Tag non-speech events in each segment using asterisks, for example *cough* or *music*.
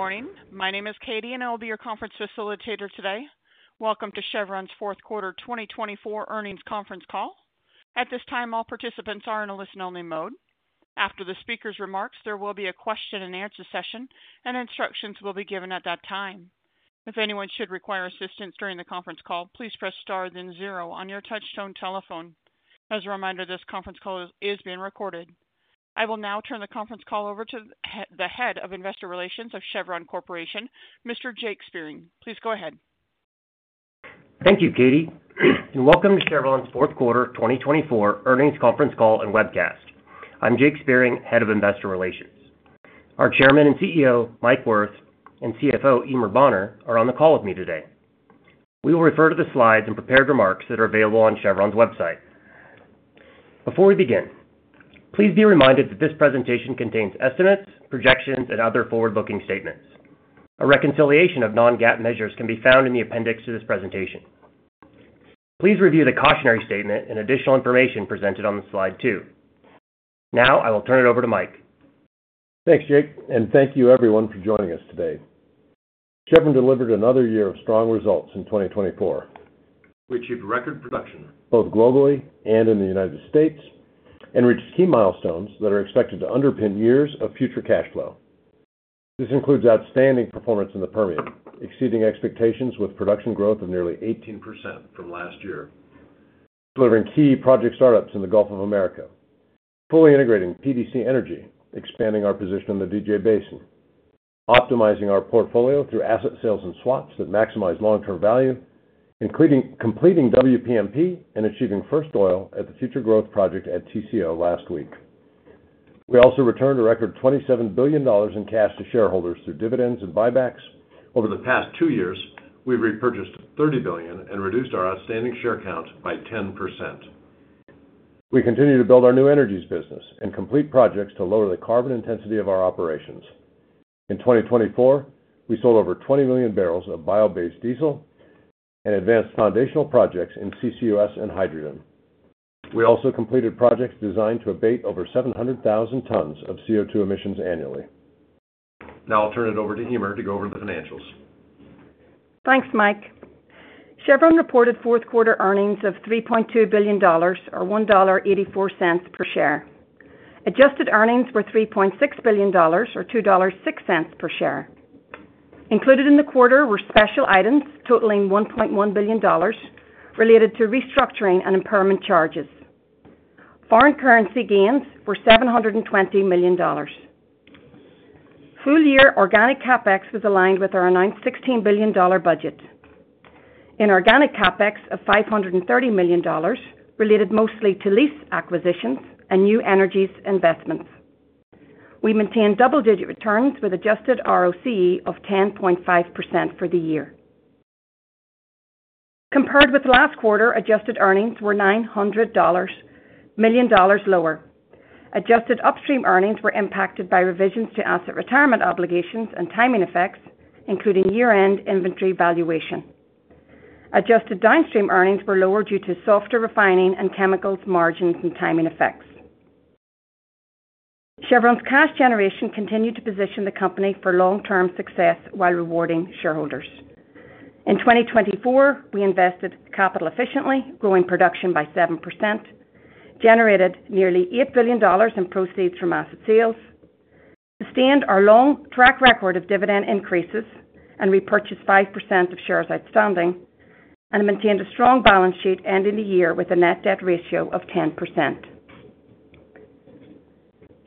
Good morning. My name is Katie, and I'll be your conference facilitator today. Welcome to Chevron's Q4 2024 Earnings Conference Call. At this time, all participants are in a listen-only mode. After the speaker's remarks, there will be a question-and-answer session, and instructions will be given at that time. If anyone should require assistance during the conference call, please press star then zero on your touchtone telephone. As a reminder, this conference call is being recorded. I will now turn the conference call over to the head of investor relations of Chevron Corporation, Mr. Jake Spiering. Please go ahead. Thank you, Katie, and welcome to Chevron's Q4 2024 Earnings Conference Call and webcast. I'm Jake Spiering, head of investor relations. Our Chairman and CEO, Mike Wirth, and CFO, Eimear Bonner, are on the call with me today. We will refer to the slides and prepared remarks that are available on Chevron's website. Before we begin, please be reminded that this presentation contains estimates, projections, and other forward-looking statements. A reconciliation of Non-GAAP measures can be found in the appendix to this presentation. Please review the cautionary statement and additional information presented on slide two. Now, I will turn it over to Mike. Thanks, Jake, and thank you, everyone, for joining us today. Chevron delivered another year of strong results in 2024, which hit record production both globally and in the United States and reached key milestones that are expected to underpin years of future cash flow. This includes outstanding performance in the Permian, exceeding expectations with production growth of nearly 18% from last year, delivering key project startups in the Gulf of America, fully integrating PDC Energy, expanding our position in the DJ Basin, optimizing our portfolio through asset sales and swaps that maximize long-term value, completing WPMP, and achieving first oil at the Future Growth Project at TCO last week. We also returned a record $27 billion in cash to shareholders through dividends and buybacks. Over the past two years, we've repurchased $30 billion and reduced our outstanding share count by 10%. We continue to build our new energies business and complete projects to lower the carbon intensity of our operations. In 2024, we sold over 20 million barrels of bio-based diesel and advanced foundational projects in CCUS and hydrogen. We also completed projects designed to abate over 700,000 tons of CO2 emissions annually. Now, I'll turn it over to Eimear to go over the financials. Thanks, Mike. Chevron reported Q4 earnings of $3.2 billion, or $1.84 per share. Adjusted earnings were $3.6 billion, or $2.06 per share. Included in the quarter were special items totaling $1.1 billion related to restructuring and impairment charges. Foreign currency gains were $720 million. Full-year organic CapEx was aligned with our announced $16 billion budget. Inorganic CapEx of $530 million, related mostly to lease acquisitions and new energies investments, we maintained double-digit returns with adjusted ROCE of 10.5% for the year. Compared with last quarter, adjusted earnings were $900 million lower. Adjusted upstream earnings were impacted by revisions to asset retirement obligations and timing effects, including year-end inventory valuation. Adjusted downstream earnings were lower due to softer refining and chemicals margins and timing effects. Chevron's cash generation continued to position the company for long-term success while rewarding shareholders. In 2024, we invested capital efficiently, growing production by 7%, generated nearly $8 billion in proceeds from asset sales, sustained our long track record of dividend increases, and repurchased 5% of shares outstanding, and maintained a strong balance sheet ending the year with a net debt ratio of 10%.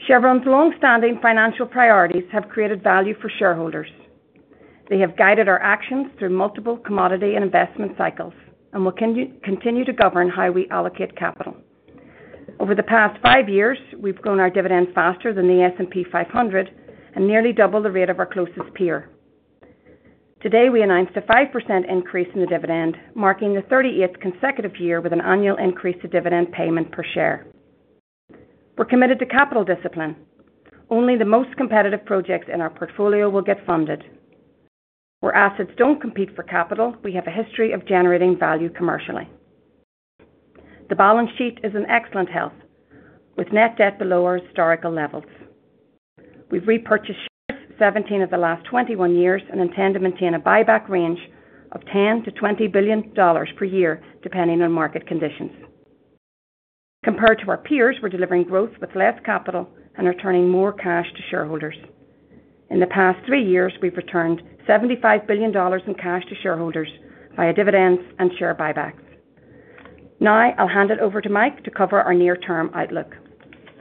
Chevron's long-standing financial priorities have created value for shareholders. They have guided our actions through multiple commodity and investment cycles and will continue to govern how we allocate capital. Over the past five years, we've grown our dividends faster than the S&P 500 and nearly doubled the rate of our closest peer. Today, we announced a 5% increase in the dividend, marking the 38th consecutive year with an annual increase to dividend payment per share. We're committed to capital discipline. Only the most competitive projects in our portfolio will get funded. Where assets don't compete for capital, we have a history of generating value commercially. The balance sheet is in excellent health, with net debt below our historical levels. We've repurchased shares 17 of the last 21 years and intend to maintain a buyback range of $10-$20 billion per year, depending on market conditions. Compared to our peers, we're delivering growth with less capital and returning more cash to shareholders. In the past three years, we've returned $75 billion in cash to shareholders via dividends and share buybacks. Now, I'll hand it over to Mike to cover our near-term outlook.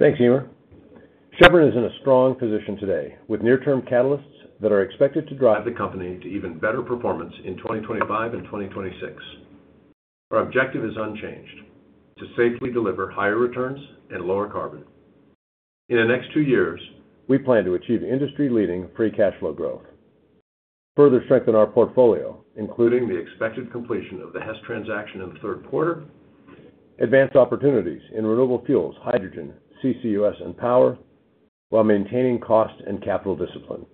Thanks, Eimear. Chevron is in a strong position today with near-term catalysts that are expected to drive the company to even better performance in 2025 and 2026. Our objective is unchanged: to safely deliver higher returns and lower carbon. In the next two years, we plan to achieve industry-leading free cash flow growth, further strengthen our portfolio, including the expected completion of the Hess transaction in the Q3, advance opportunities in renewable fuels, hydrogen, CCUS, and power while maintaining cost and capital discipline.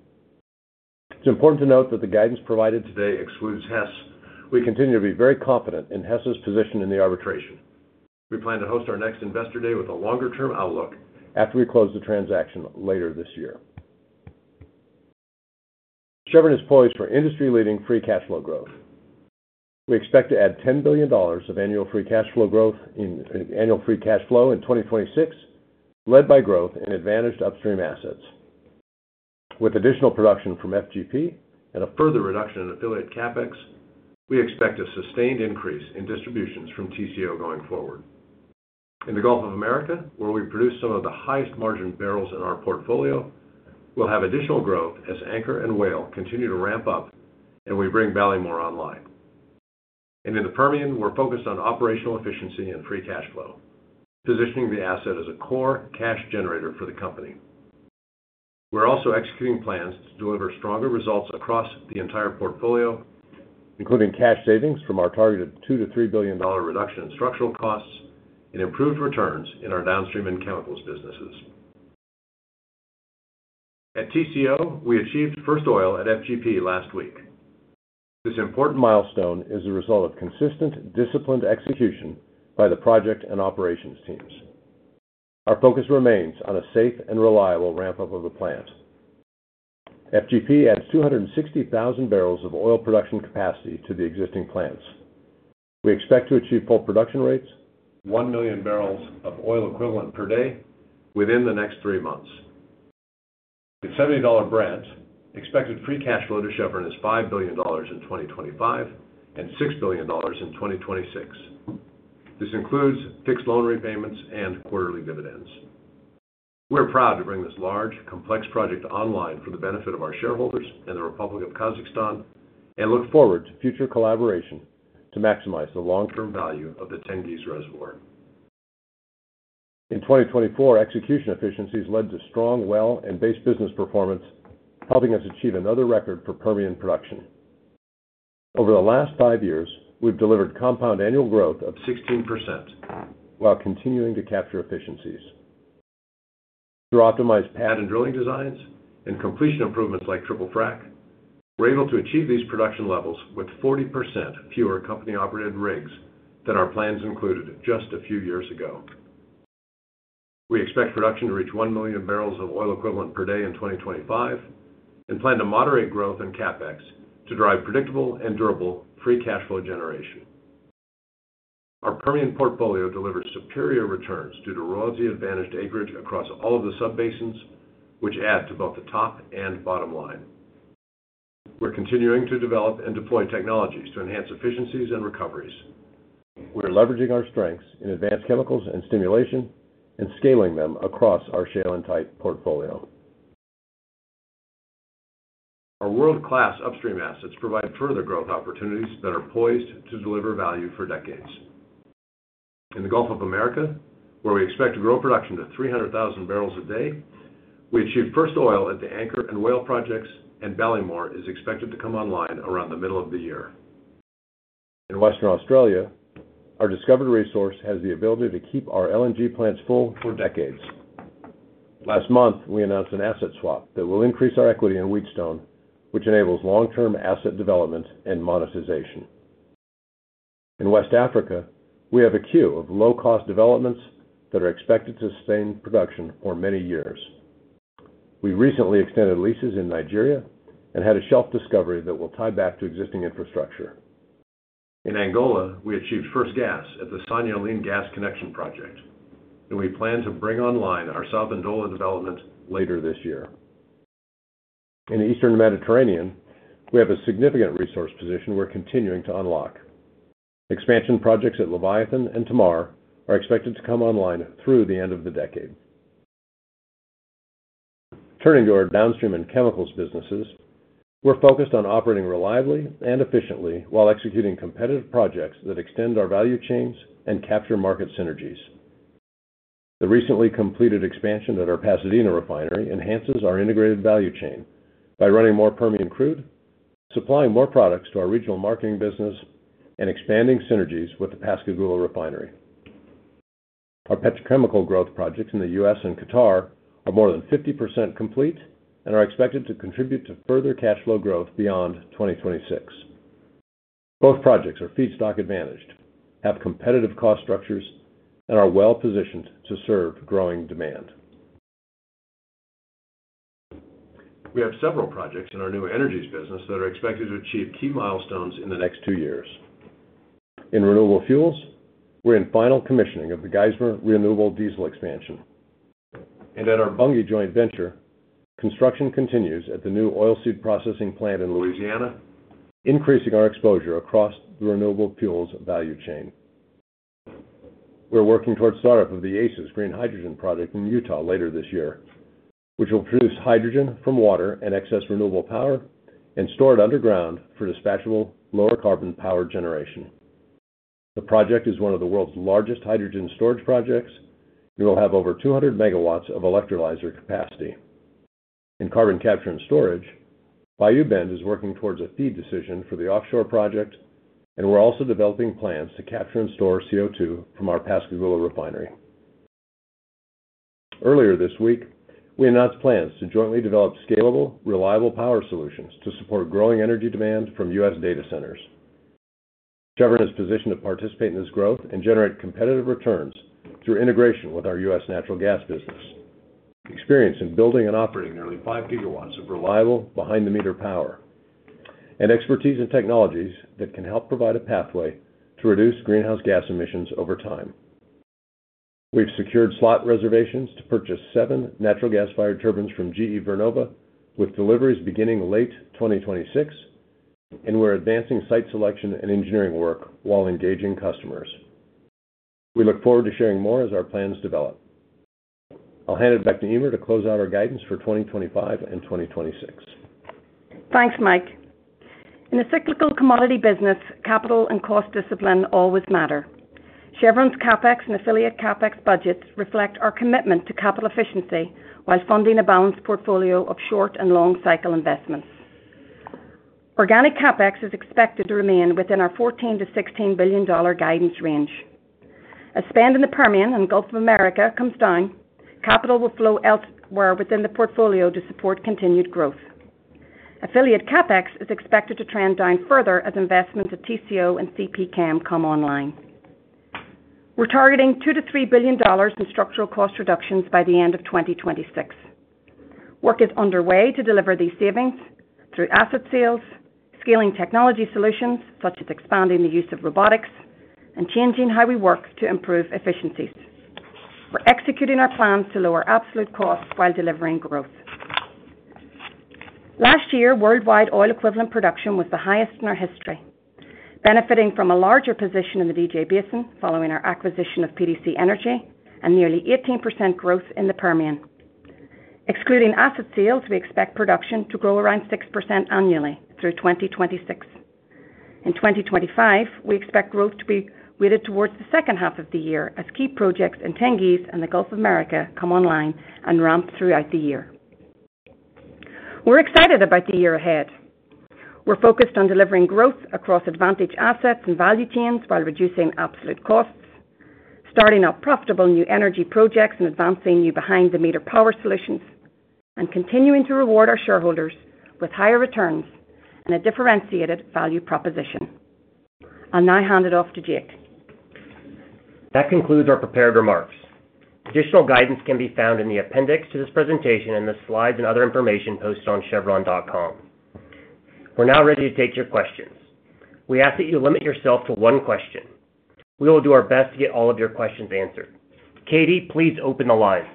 It's important to note that the guidance provided today excludes Hess. We continue to be very confident in Hess's position in the arbitration. We plan to host our next investor day with a longer-term outlook after we close the transaction later this year. Chevron is poised for industry-leading free cash flow growth. We expect to add $10 billion of annual free cash flow growth in annual free cash flow in 2026, led by growth in advantaged upstream assets. With additional production from FGP and a further reduction in affiliate CapEx, we expect a sustained increase in distributions from TCO going forward. In the Gulf of America, where we produce some of the highest margin barrels in our portfolio, we'll have additional growth as Anchor and Whale continue to ramp up and we bring Ballymore online. And in the Permian, we're focused on operational efficiency and free cash flow, positioning the asset as a core cash generator for the company. We're also executing plans to deliver stronger results across the entire portfolio, including cash savings from our targeted $2-$3 billion reduction in structural costs and improved returns in our downstream and chemicals businesses. At TCO, we achieved first oil at FGP last week. This important milestone is the result of consistent, disciplined execution by the project and operations teams. Our focus remains on a safe and reliable ramp-up of the plant. FGP adds 260,000 barrels of oil production capacity to the existing plants. We expect to achieve full production rates, 1 million barrels of oil equivalent per day within the next three months. The FGP and expected free cash flow to Chevron is $5 billion in 2025 and $6 billion in 2026. This includes fixed loan repayments and quarterly dividends. We're proud to bring this large, complex project online for the benefit of our shareholders and the Republic of Kazakhstan and look forward to future collaboration to maximize the long-term value of the Tengiz reservoir. In 2024, execution efficiencies led to strong well and base business performance, helping us achieve another record for Permian production. Over the last five years, we've delivered compound annual growth of 16% while continuing to capture efficiencies. Through optimized pad and drilling designs and completion improvements like Triple Frac, we're able to achieve these production levels with 40% fewer company-operated rigs than our plans included just a few years ago. We expect production to reach 1 million barrels of oil equivalent per day in 2025 and plan to moderate growth in CapEx to drive predictable and durable free cash flow generation. Our Permian portfolio delivers superior returns due to royalty-advantaged acreage across all of the sub-basins, which add to both the top and bottom line. We're continuing to develop and deploy technologies to enhance efficiencies and recoveries. We're leveraging our strengths in advanced chemicals and stimulation and scaling them across our shale and tight portfolio. Our world-class upstream assets provide further growth opportunities that are poised to deliver value for decades. In the Gulf of America, where we expect to grow production to 300,000 barrels a day, we achieved first oil at the Anchor and Whale projects, and Ballymore is expected to come online around the middle of the year. In Western Australia, our discovered resource has the ability to keep our LNG plants full for decades. Last month, we announced an asset swap that will increase our equity in Wheatstone, which enables long-term asset development and monetization. In West Africa, we have a queue of low-cost developments that are expected to sustain production for many years. We recently extended leases in Nigeria and had a shelf discovery that will tie back to existing infrastructure. In Angola, we achieved first gas at the Sanha Lean Gas Connection project, and we plan to bring online our South N'Dola development later this year. In the Eastern Mediterranean, we have a significant resource position we're continuing to unlock. Expansion projects at Leviathan and Tamar are expected to come online through the end of the decade. Turning to our downstream and chemicals businesses, we're focused on operating reliably and efficiently while executing competitive projects that extend our value chains and capture market synergies. The recently completed expansion at our Pasadena refinery enhances our integrated value chain by running more Permian crude, supplying more products to our regional marketing business, and expanding synergies with the Pascagoula refinery. Our petrochemical growth projects in the U.S. and Qatar are more than 50% complete and are expected to contribute to further cash flow growth beyond 2026. Both projects are feedstock advantaged, have competitive cost structures, and are well-positioned to serve growing demand. We have several projects in our new energies business that are expected to achieve key milestones in the next two years. In renewable fuels, we're in final commissioning of the Geismar Renewable Diesel Expansion, and at our Bunge joint venture, construction continues at the new oilseed processing plant in Louisiana, increasing our exposure across the renewable fuels value chain. We're working towards startup of the ACES Green Hydrogen project in Utah later this year, which will produce hydrogen from water and excess renewable power and store it underground for dispatchable lower-carbon power generation. The project is one of the world's largest hydrogen storage projects and will have over 200 megawatts of electrolyzer capacity. In carbon capture and storage, Bayou Bend is working towards a FEED decision for the offshore project, and we're also developing plans to capture and store CO2 from our Pascagoula refinery. Earlier this week, we announced plans to jointly develop scalable, reliable power solutions to support growing energy demand from U.S. data centers. Chevron is positioned to participate in this growth and generate competitive returns through integration with our U.S. natural gas business. Experience in building and operating nearly five gigawatts of reliable behind-the-meter power and expertise in technologies that can help provide a pathway to reduce greenhouse gas emissions over time. We've secured slot reservations to purchase seven natural gas-fired turbines from GE Vernova, with deliveries beginning late 2026, and we're advancing site selection and engineering work while engaging customers. We look forward to sharing more as our plans develop. I'll hand it back to Eimear to close out our guidance for 2025 and 2026. Thanks, Mike. In a cyclical commodity business, capital and cost discipline always matter. Chevron's CapEx and affiliate CapEx budgets reflect our commitment to capital efficiency while funding a balanced portfolio of short and long-cycle investments. Organic CapEx is expected to remain within our $14-$16 billion guidance range. As spend in the Permian and Gulf of America comes down, capital will flow elsewhere within the portfolio to support continued growth. Affiliate CapEx is expected to trend down further as investments at TCO and CPChem come online. We're targeting $2-$3 billion in structural cost reductions by the end of 2026. Work is underway to deliver these savings through asset sales, scaling technology solutions such as expanding the use of robotics, and changing how we work to improve efficiencies. We're executing our plans to lower absolute costs while delivering growth. Last year, worldwide oil equivalent production was the highest in our history, benefiting from a larger position in the DJ Basin following our acquisition of PDC Energy and nearly 18% growth in the Permian. Excluding asset sales, we expect production to grow around 6% annually through 2026. In 2025, we expect growth to be weighted towards the H2 of the year as key projects in Tengiz and the Gulf of America come online and ramp throughout the year. We're excited about the year ahead. We're focused on delivering growth across advantage assets and value chains while reducing absolute costs, starting up profitable new energy projects and advancing new behind-the-meter power solutions, and continuing to reward our shareholders with higher returns and a differentiated value proposition. I'll now hand it off to Jake. That concludes our prepared remarks. Additional guidance can be found in the appendix to this presentation and the slides and other information posted on Chevron.com. We're now ready to take your questions. We ask that you limit yourself to one question. We will do our best to get all of your questions answered. Katie, please open the line.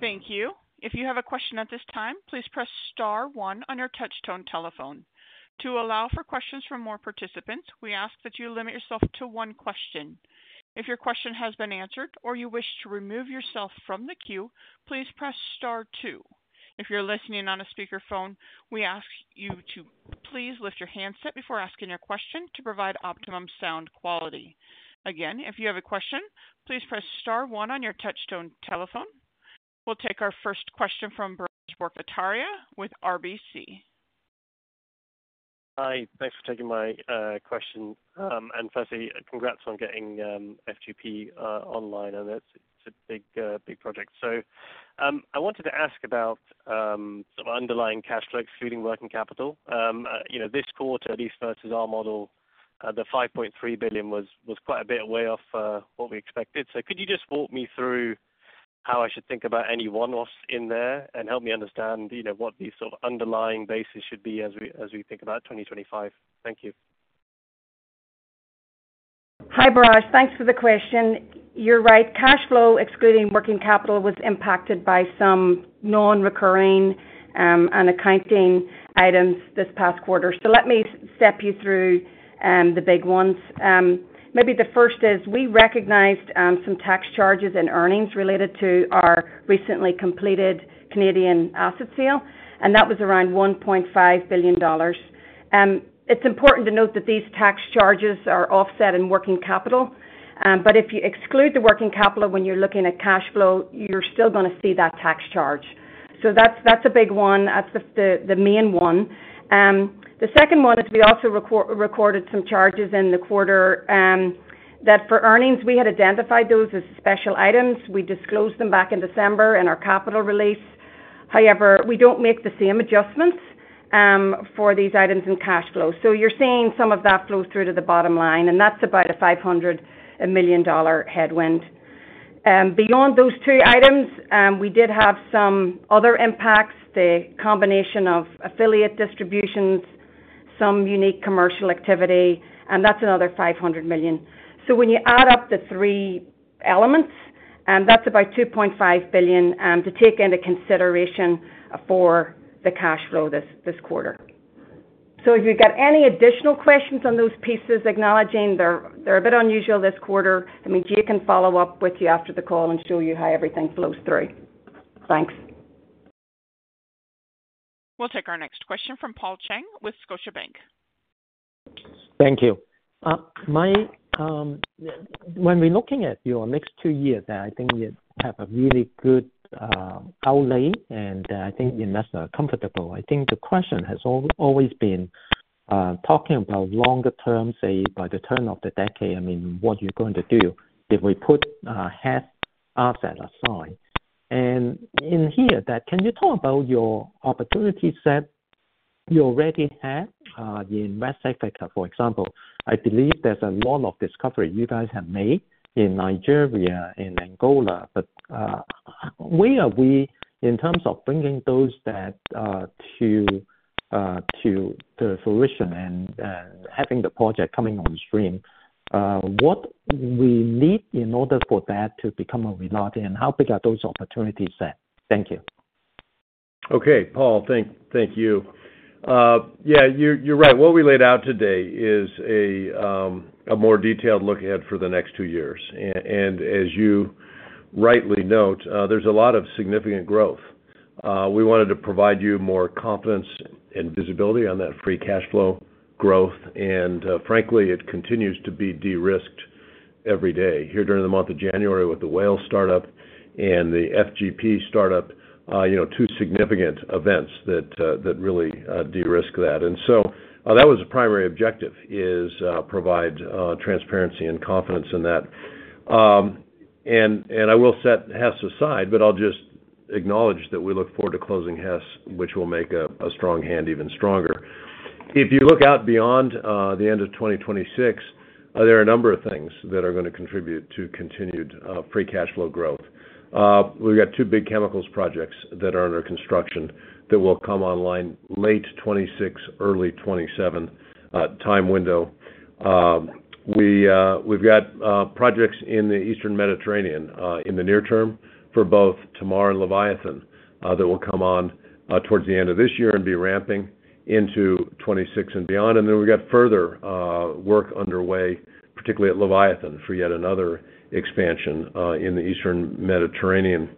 Thank you. If you have a question at this time, please press star one on your touch-tone telephone. To allow for questions from more participants, we ask that you limit yourself to one question. If your question has been answered or you wish to remove yourself from the queue, please press star two. If you're listening on a speakerphone, we ask you to please lift your handset before asking your question to provide optimum sound quality. Again, if you have a question, please press star one on your touch-tone telephone. We'll take our first question from Biraj Borkhataria with RBC. Hi. Thanks for taking my question. And firstly, congrats on getting FGP online. I know it's a big project. So I wanted to ask about some underlying cash flow excluding working capital. This quarter, at least versus our model, the $5.3 billion was quite a bit away off what we expected. So could you just walk me through how I should think about any one-offs in there and help me understand what these sort of underlying bases should be as we think about 2025? Thank you. Hi, Biraj. Thanks for the question. You're right. Cash flow excluding working capital was impacted by some non-recurring and accounting items this past quarter. So let me step you through the big ones. Maybe the first is we recognized some tax charges and earnings related to our recently completed Canadian asset sale, and that was around $1.5 billion. It's important to note that these tax charges are offset in working capital, but if you exclude the working capital when you're looking at cash flow, you're still going to see that tax charge. So that's a big one. That's the main one. The second one is we also recorded some charges in the quarter that, for earnings, we had identified those as special items. We disclosed them back in December in our capital release. However, we don't make the same adjustments for these items in cash flow. So you're seeing some of that flow through to the bottom line, and that's about a $500 million headwind. Beyond those two items, we did have some other impacts, the combination of affiliate distributions, some unique commercial activity, and that's another $500 million. So when you add up the three elements, that's about $2.5 billion to take into consideration for the cash flow this quarter. So if you've got any additional questions on those pieces, acknowledging they're a bit unusual this quarter, I mean, Jake can follow up with you after the call and show you how everything flows through. Thanks. We'll take our next question from Paul Cheng with Scotiabank. Thank you. When we're looking at your next two years, I think you have a really good outlook, and I think you're comfortable. I think the question has always been talking about longer term, say, by the turn of the decade, I mean, what you're going to do if we put Hess asset aside. And in here, can you talk about your opportunity set you already had in West Africa, for example? I believe there's a lot of discovery you guys have made in Nigeria and Angola, but where are we in terms of bringing those to fruition and having the project coming on stream? What do we need in order for that to become a reality? And how big are those opportunities set? Thank you. Okay. Paul, thank you. Yeah, you're right. What we laid out today is a more detailed look ahead for the next two years, and as you rightly note, there's a lot of significant growth. We wanted to provide you more confidence and visibility on that free cash flow growth, and frankly, it continues to be de-risked every day here during the month of January with the Whale startup and the FGP startup, two significant events that really de-risk that, and so that was the primary objective, is provide transparency and confidence in that, and I will set Hess aside, but I'll just acknowledge that we look forward to closing Hess, which will make a strong hand even stronger. If you look out beyond the end of 2026, there are a number of things that are going to contribute to continued free cash flow growth. We've got two big chemicals projects that are under construction that will come online late 2026, early 2027 time window. We've got projects in the Eastern Mediterranean in the near term for both Tamar and Leviathan that will come on towards the end of this year and be ramping into 2026 and beyond. And then we've got further work underway, particularly at Leviathan, for yet another expansion in the Eastern Mediterranean.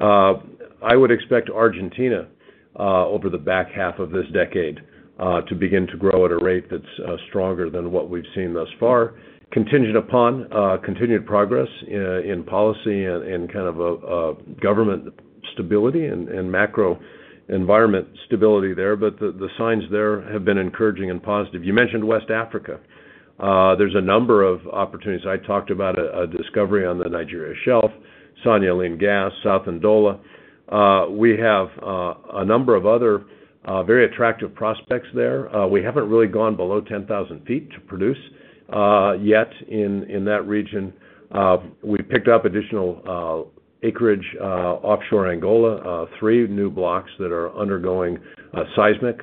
I would expect Argentina over the back half of this decade to begin to grow at a rate that's stronger than what we've seen thus far, contingent upon continued progress in policy and kind of government stability and macro environment stability there. But the signs there have been encouraging and positive. You mentioned West Africa. There's a number of opportunities. I talked about a discovery on the Nigeria shelf, Sanha Lean Gas, South N'Dola. We have a number of other very attractive prospects there. We haven't really gone below 10,000 feet to produce yet in that region. We picked up additional acreage offshore Angola, three new blocks that are undergoing seismic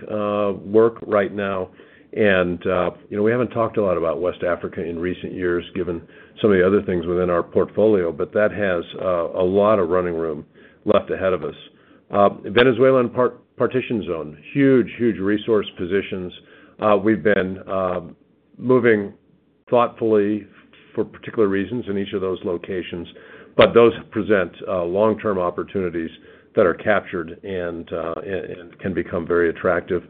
work right now. We haven't talked a lot about West Africa in recent years, given some of the other things within our portfolio, but that has a lot of running room left ahead of us. Venezuela, Partitioned Zone, huge, huge resource positions. We've been moving thoughtfully for particular reasons in each of those locations, but those present long-term opportunities that are captured and can become very attractive.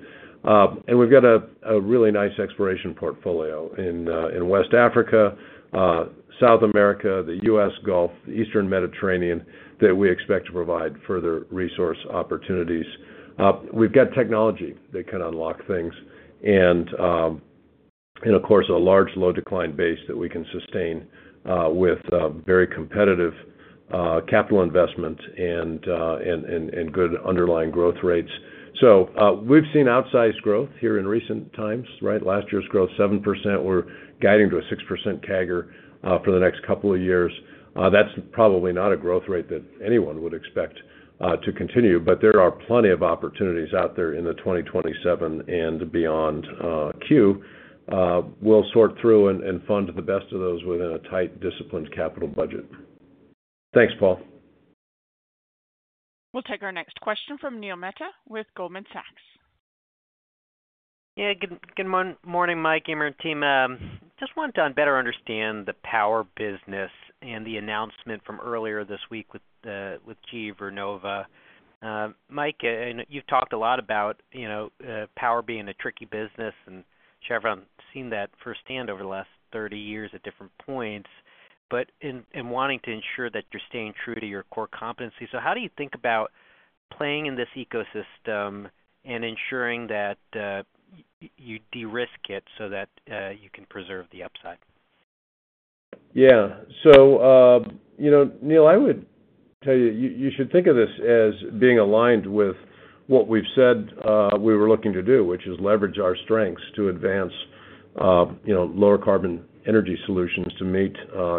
We've got a really nice exploration portfolio in West Africa, South America, the U.S. Gulf, Eastern Mediterranean that we expect to provide further resource opportunities. We've got technology that can unlock things and, of course, a large low-decline base that we can sustain with very competitive capital investment and good underlying growth rates. So we've seen outsized growth here in recent times, right? Last year's growth, 7%. We're guiding to a 6% CAGR for the next couple of years. That's probably not a growth rate that anyone would expect to continue, but there are plenty of opportunities out there in the 2027 and beyond queue. We'll sort through and fund the best of those within a tight, disciplined capital budget. Thanks, Paul. We'll take our next question from Neil Mehta with Goldman Sachs. Yeah. Good morning, Mike, Eimear and team. Just wanted to better understand the power business and the announcement from earlier this week with GE Vernova. Mike, you've talked a lot about power being a tricky business, and Chevron's seen that first hand over the last 30 years at different points, but in wanting to ensure that you're staying true to your core competency. So how do you think about playing in this ecosystem and ensuring that you de-risk it so that you can preserve the upside? Yeah. So, Neil, I would tell you, you should think of this as being aligned with what we've said we were looking to do, which is leverage our strengths to advance lower carbon energy solutions to meet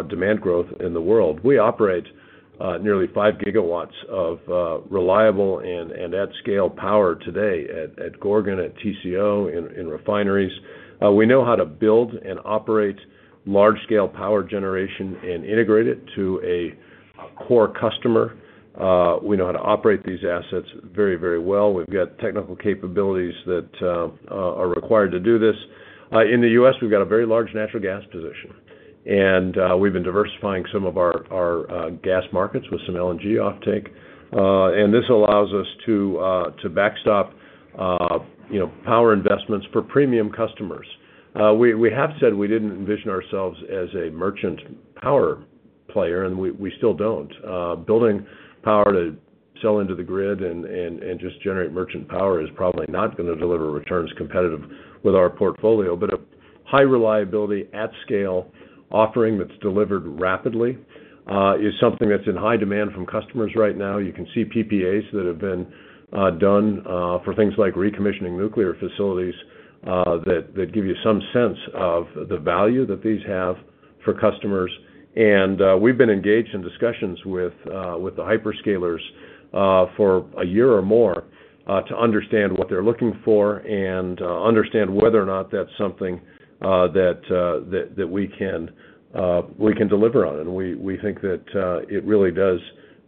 demand growth in the world. We operate nearly five gigawatts of reliable and at-scale power today at Gorgon, at TCO, in refineries. We know how to build and operate large-scale power generation and integrate it to a core customer. We know how to operate these assets very, very well. We've got technical capabilities that are required to do this. In the U.S., we've got a very large natural gas position, and we've been diversifying some of our gas markets with some LNG offtake. And this allows us to backstop power investments for premium customers. We have said we didn't envision ourselves as a merchant power player, and we still don't. Building power to sell into the grid and just generate merchant power is probably not going to deliver returns competitive with our portfolio, but a high reliability, at-scale offering that's delivered rapidly is something that's in high demand from customers right now. You can see PPAs that have been done for things like recommissioning nuclear facilities that give you some sense of the value that these have for customers. And we've been engaged in discussions with the hyperscalers for a year or more to understand what they're looking for and understand whether or not that's something that we can deliver on. And we think that it really does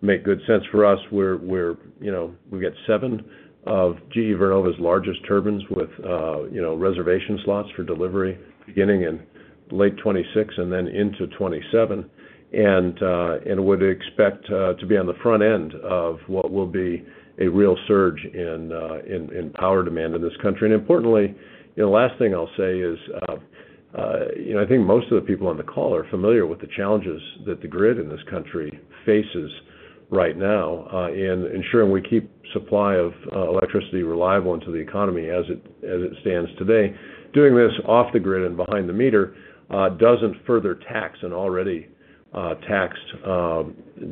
make good sense for us. We've got seven of GE Vernova's largest turbines with reservation slots for delivery beginning in late 2026 and then into 2027, and would expect to be on the front end of what will be a real surge in power demand in this country. And importantly, the last thing I'll say is I think most of the people on the call are familiar with the challenges that the grid in this country faces right now in ensuring we keep supply of electricity reliable into the economy as it stands today. Doing this off the grid and behind the meter doesn't further tax an already taxed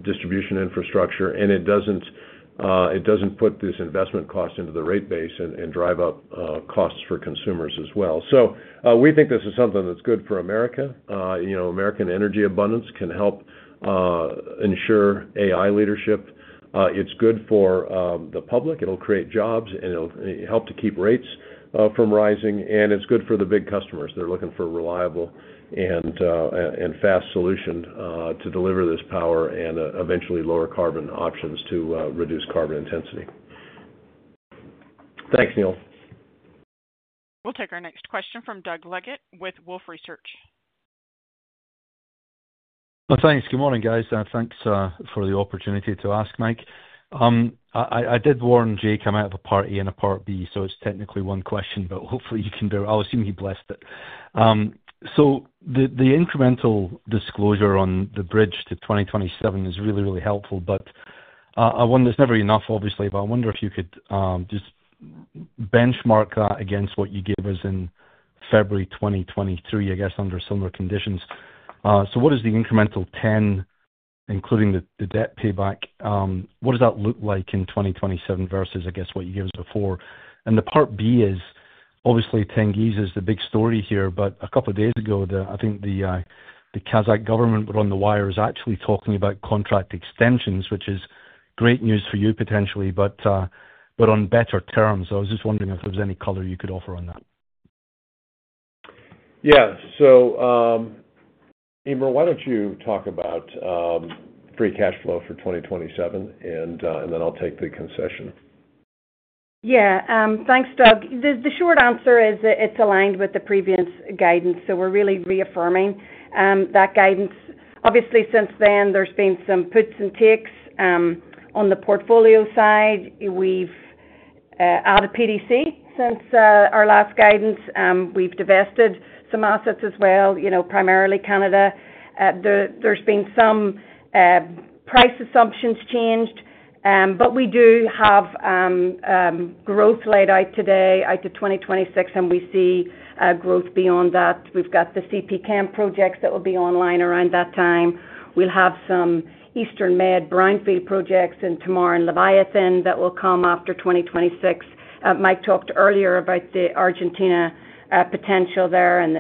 distribution infrastructure, and it doesn't put this investment cost into the rate base and drive up costs for consumers as well. So we think this is something that's good for America. American energy abundance can help ensure AI leadership. It's good for the public. It'll create jobs, and it'll help to keep rates from rising. And it's good for the big customers that are looking for a reliable and fast solution to deliver this power and eventually lower carbon options to reduce carbon intensity. Thanks, Neil. We'll take our next question from Doug Leggate with Wolfe Research. Thanks. Good morning, guys. Thanks for the opportunity to ask, Mike. I did warn Jake come out of a part A and a part B, so it's technically one question, but hopefully you can do it. I'll assume he blessed it. So the incremental disclosure on the bridge to 2027 is really, really helpful, but I wonder it's never enough, obviously, but I wonder if you could just benchmark that against what you gave us in February 2023, I guess, under similar conditions. So what is the incremental 10, including the debt payback? What does that look like in 2027 versus, I guess, what you gave us before? The part B is obviously Tengiz is the big story here, but a couple of days ago, I think the Kazakh government put on the wires actually talking about contract extensions, which is great news for you potentially, but on better terms. I was just wondering if there's any color you could offer on that. Yeah. So, Eimear, why don't you talk about free cash flow for 2027, and then I'll take the concession. Yeah. Thanks, Doug. The short answer is it's aligned with the previous guidance, so we're really reaffirming that guidance. Obviously, since then, there's been some puts and takes on the portfolio side. We've added PDC since our last guidance. We've divested some assets as well, primarily Canada. There's been some price assumptions changed, but we do have growth laid out today out to 2026, and we see growth beyond that. We've got the CPChem projects that will be online around that time. We'll have some Eastern Med, Brownfield projects, and Tamar and Leviathan that will come after 2026. Mike talked earlier about the Argentina potential there and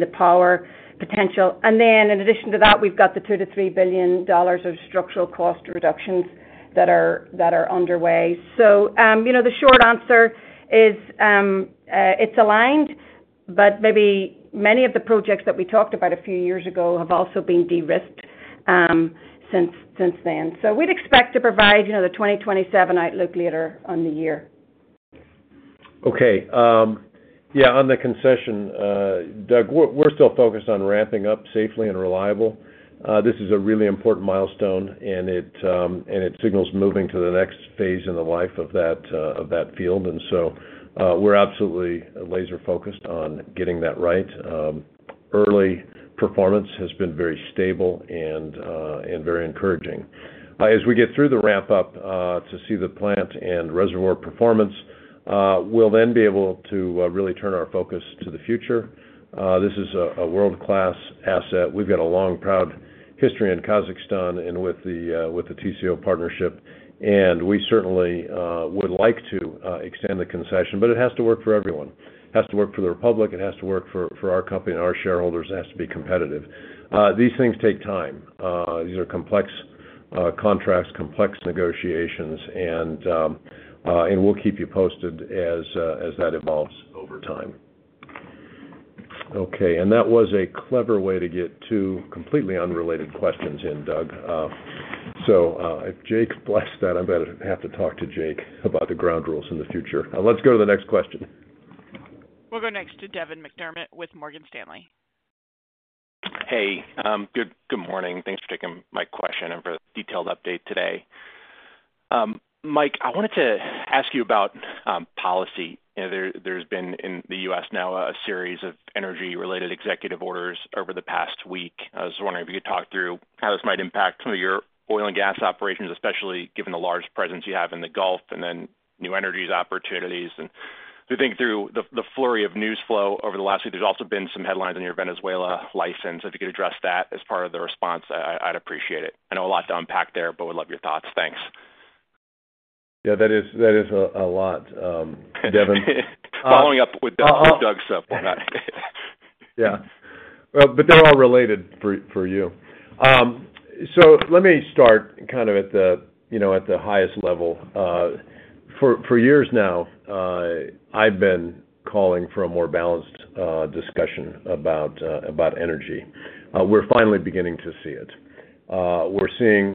the power potential. And then, in addition to that, we've got the $2 billion-$3 billion of structural cost reductions that are underway. So the short answer is it's aligned, but maybe many of the projects that we talked about a few years ago have also been de-risked since then. So we'd expect to provide the 2027 outlook later on the year. Okay. Yeah. On the concession, Doug, we're still focused on ramping up safely and reliably. This is a really important milestone, and it signals moving to the next phase in the life of that field. And so we're absolutely laser-focused on getting that right. Early performance has been very stable and very encouraging. As we get through the ramp-up to see the plant and reservoir performance, we'll then be able to really turn our focus to the future. This is a world-class asset. We've got a long, proud history in Kazakhstan and with the TCO partnership, and we certainly would like to extend the concession, but it has to work for everyone. It has to work for the Republic. It has to work for our company and our shareholders. It has to be competitive. These things take time. These are complex contracts, complex negotiations, and we'll keep you posted as that evolves over time. Okay. And that was a clever way to get two completely unrelated questions in, Doug. So if Jake blessed that, I'm going to have to talk to Jake about the ground rules in the future. Let's go to the next question. We'll go next to Devin McDermott with Morgan Stanley. Hey. Good morning. Thanks for taking my question and for the detailed update today. Mike, I wanted to ask you about policy. There's been in the U.S. now a series of energy-related executive orders over the past week. I was wondering if you could talk through how this might impact some of your oil and gas operations, especially given the large presence you have in the Gulf and then new energy opportunities. And if you think through the flurry of news flow over the last week, there's also been some headlines on your Venezuela license. If you could address that as part of the response, I'd appreciate it. I know a lot to unpack there, but would love your thoughts. Thanks. Yeah. That is a lot, Devin. Following up with Doug's stuff. Yeah, but they're all related for you, so let me start kind of at the highest level. For years now, I've been calling for a more balanced discussion about energy. We're finally beginning to see it. We're seeing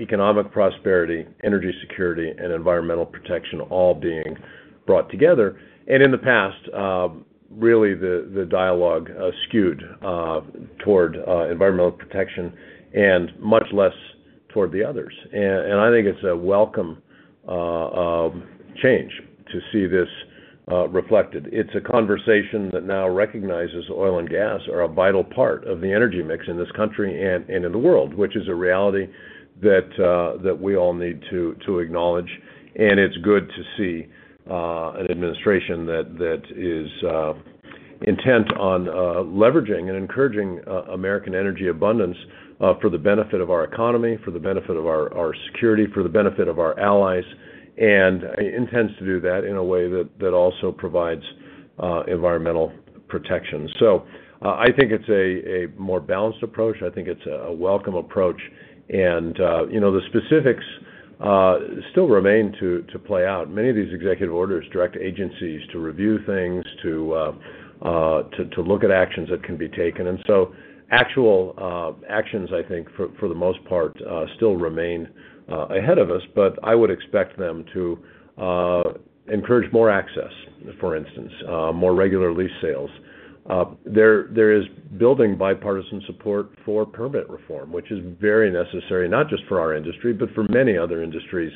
economic prosperity, energy security, and environmental protection all being brought together, and in the past, really, the dialogue skewed toward environmental protection and much less toward the others, and I think it's a welcome change to see this reflected. It's a conversation that now recognizes oil and gas are a vital part of the energy mix in this country and in the world, which is a reality that we all need to acknowledge. It's good to see an administration that is intent on leveraging and encouraging American energy abundance for the benefit of our economy, for the benefit of our security, for the benefit of our allies, and intends to do that in a way that also provides environmental protection. So I think it's a more balanced approach. I think it's a welcome approach. The specifics still remain to play out. Many of these executive orders direct agencies to review things, to look at actions that can be taken. Actual actions, I think, for the most part, still remain ahead of us, but I would expect them to encourage more access, for instance, more regular lease sales. There is building bipartisan support for permit reform, which is very necessary, not just for our industry, but for many other industries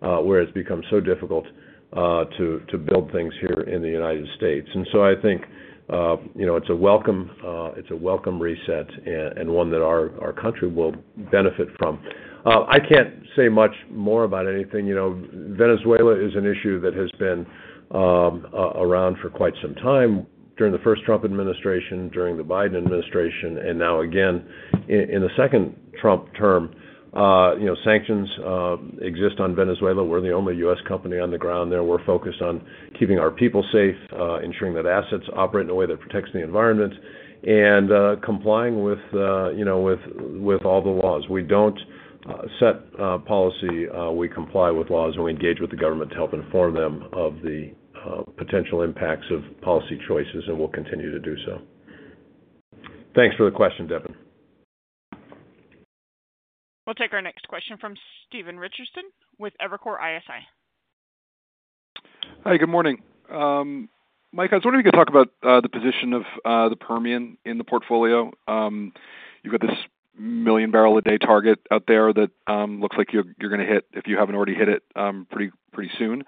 where it's become so difficult to build things here in the United States. And so I think it's a welcome reset and one that our country will benefit from. I can't say much more about anything. Venezuela is an issue that has been around for quite some time during the first Trump administration, during the Biden administration, and now again in the second Trump term. Sanctions exist on Venezuela. We're the only U.S. company on the ground there. We're focused on keeping our people safe, ensuring that assets operate in a way that protects the environment, and complying with all the laws. We don't set policy. We comply with laws, and we engage with the government to help inform them of the potential impacts of policy choices, and we'll continue to do so. Thanks for the question, Devin. We'll take our next question from Stephen Richardson with Evercore ISI. Hi. Good morning. Mike, I was wondering if you could talk about the position of the Permian in the portfolio. You've got this million barrels a day target out there that looks like you're going to hit, if you haven't already hit it, pretty soon.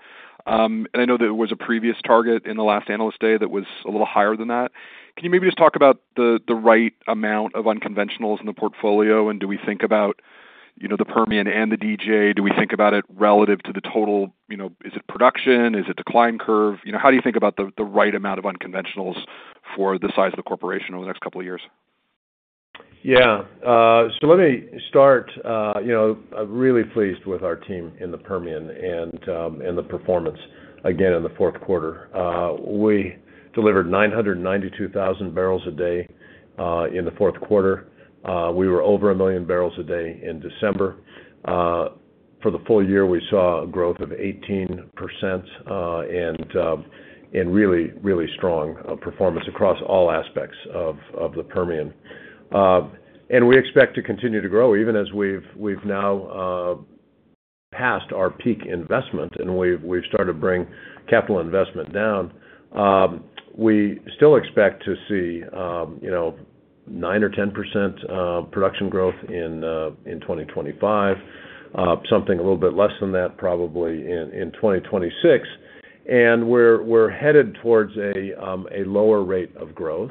And I know that it was a previous target in the last analyst day that was a little higher than that. Can you maybe just talk about the right amount of unconventionals in the portfolio? And do we think about the Permian and the DJ? Do we think about it relative to the total? Is it production? Is it decline curve? How do you think about the right amount of unconventionals for the size of the corporation over the next couple of years? Yeah. So let me start. I'm really pleased with our team in the Permian and the performance, again, in the Q4. We delivered 992,000 barrels a day in the Q4. We were over a million barrels a day in December. For the full year, we saw a growth of 18% and really, really strong performance across all aspects of the Permian. And we expect to continue to grow even as we've now passed our peak investment and we've started to bring capital investment down. We still expect to see 9 or 10% production growth in 2025, something a little bit less than that probably in 2026. And we're headed towards a lower rate of growth.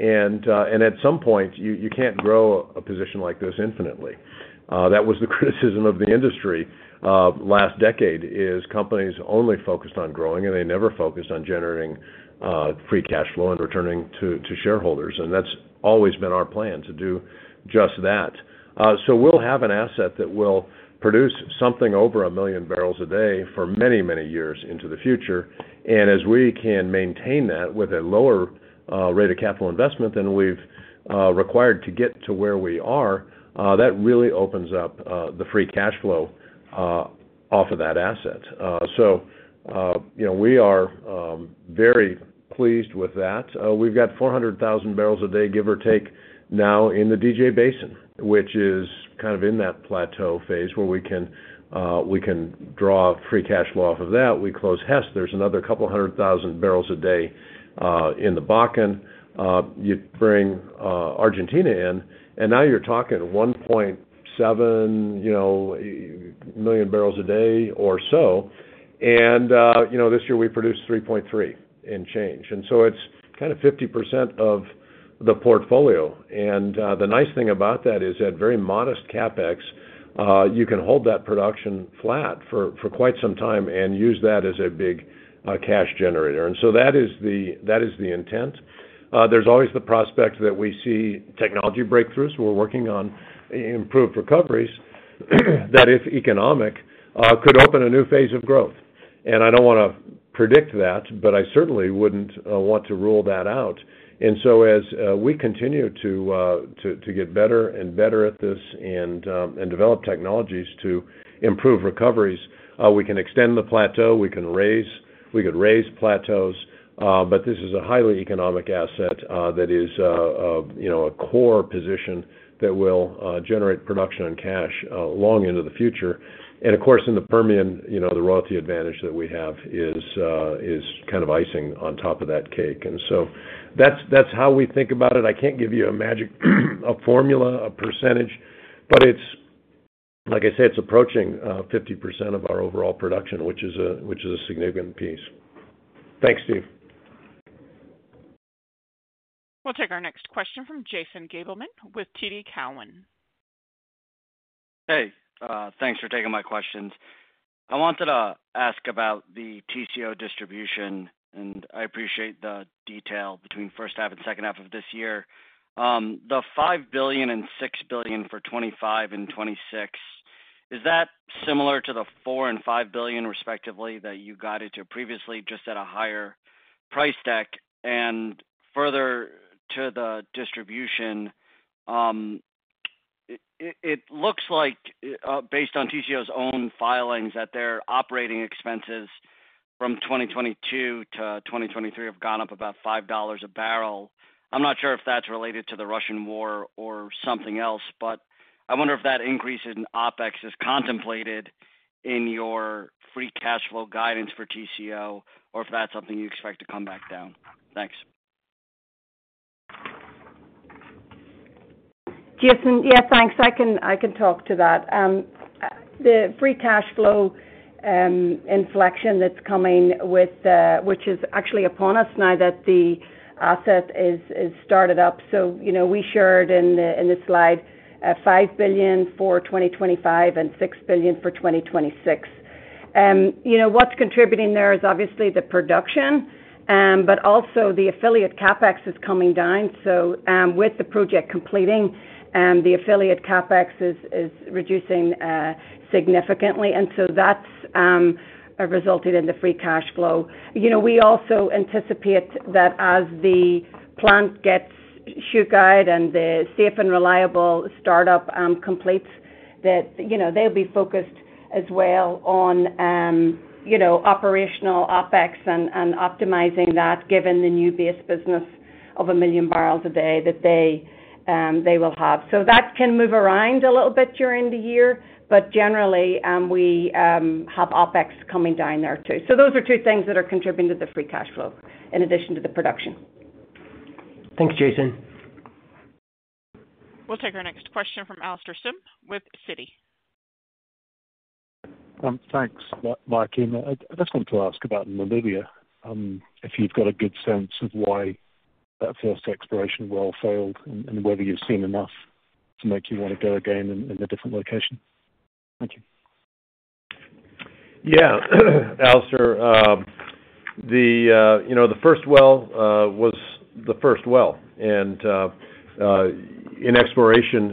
And at some point, you can't grow a position like this infinitely. That was the criticism of the industry last decade is companies only focused on growing, and they never focused on generating free cash flow and returning to shareholders, and that's always been our plan to do just that, so we'll have an asset that will produce something over a million barrels a day for many, many years into the future, and as we can maintain that with a lower rate of capital investment than we've required to get to where we are, that really opens up the free cash flow off of that asset, so we are very pleased with that. We've got 400,000 barrels a day, give or take, now in the DJ Basin, which is kind of in that plateau phase where we can draw free cash flow off of that. We close Hess. There's another couple hundred thousand barrels a day in the Bakken. You bring Argentina in, and now you're talking 1.7 million barrels a day or so. And this year, we produced 3.3 and change. And so it's kind of 50% of the portfolio. And the nice thing about that is at very modest CapEx, you can hold that production flat for quite some time and use that as a big cash generator. And so that is the intent. There's always the prospect that we see technology breakthroughs. We're working on improved recoveries that, if economic, could open a new phase of growth. And I don't want to predict that, but I certainly wouldn't want to rule that out. And so as we continue to get better and better at this and develop technologies to improve recoveries, we can extend the plateau. We can raise plateaus, but this is a highly economic asset that is a core position that will generate production and cash long into the future. And of course, in the Permian, the royalty advantage that we have is kind of icing on top of that cake. And so that's how we think about it. I can't give you a magic formula, a percentage, but like I say, it's approaching 50% of our overall production, which is a significant piece. Thanks, Steve. We'll take our next question from Jason Gabelman with TD Cowen. Hey. Thanks for taking my questions. I wanted to ask about the TCO distribution, and I appreciate the detail between first half and H2 of this year. The $5 billion and $6 billion for 2025 and 2026, is that similar to the $4 billion and $5 billion, respectively, that you guided to previously, just at a higher price stack? And further to the distribution, it looks like, based on TCO's own filings, that their operating expenses from 2022 to 2023 have gone up about $5 a barrel. I'm not sure if that's related to the Russian war or something else, but I wonder if that increase in OpEx is contemplated in your free cash flow guidance for TCO or if that's something you expect to come back down. Thanks. Jason, yeah, thanks. I can talk to that. The free cash flow inflection that's coming, which is actually upon us now that the asset is started up. So we shared in the slide $5 billion for 2025 and $6 billion for 2026. What's contributing there is obviously the production, but also the affiliate CapEx is coming down. So with the project completing, the affiliate CapEx is reducing significantly. And so that's resulted in the free cash flow. We also anticipate that as the plant gets shakedown and the safe and reliable startup completes, that they'll be focused as well on operational OpEx and optimizing that, given the new base business of a million barrels a day that they will have. So that can move around a little bit during the year, but generally, we have OpEx coming down there too. So those are two things that are contributing to the Free Cash Flow in addition to the production. Thanks, Jason. We'll take our next question from Alastair Syme with Citi. Thanks *inaudible* I just wanted to ask about Namibia, if you've got a good sense of why that first exploration well failed and whether you've seen enough to make you want to go again in a different location. Thank you. Yeah. Alastair, the first well was the first well. And in exploration,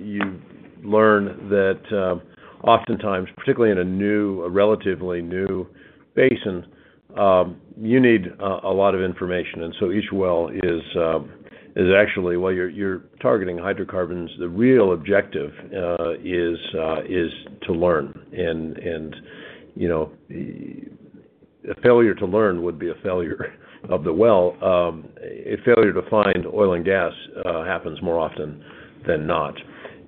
you learn that oftentimes, particularly in a relatively new basin, you need a lot of information. And so each well is actually, while you're targeting hydrocarbons, the real objective is to learn. And a failure to learn would be a failure of the well. A failure to find oil and gas happens more often than not.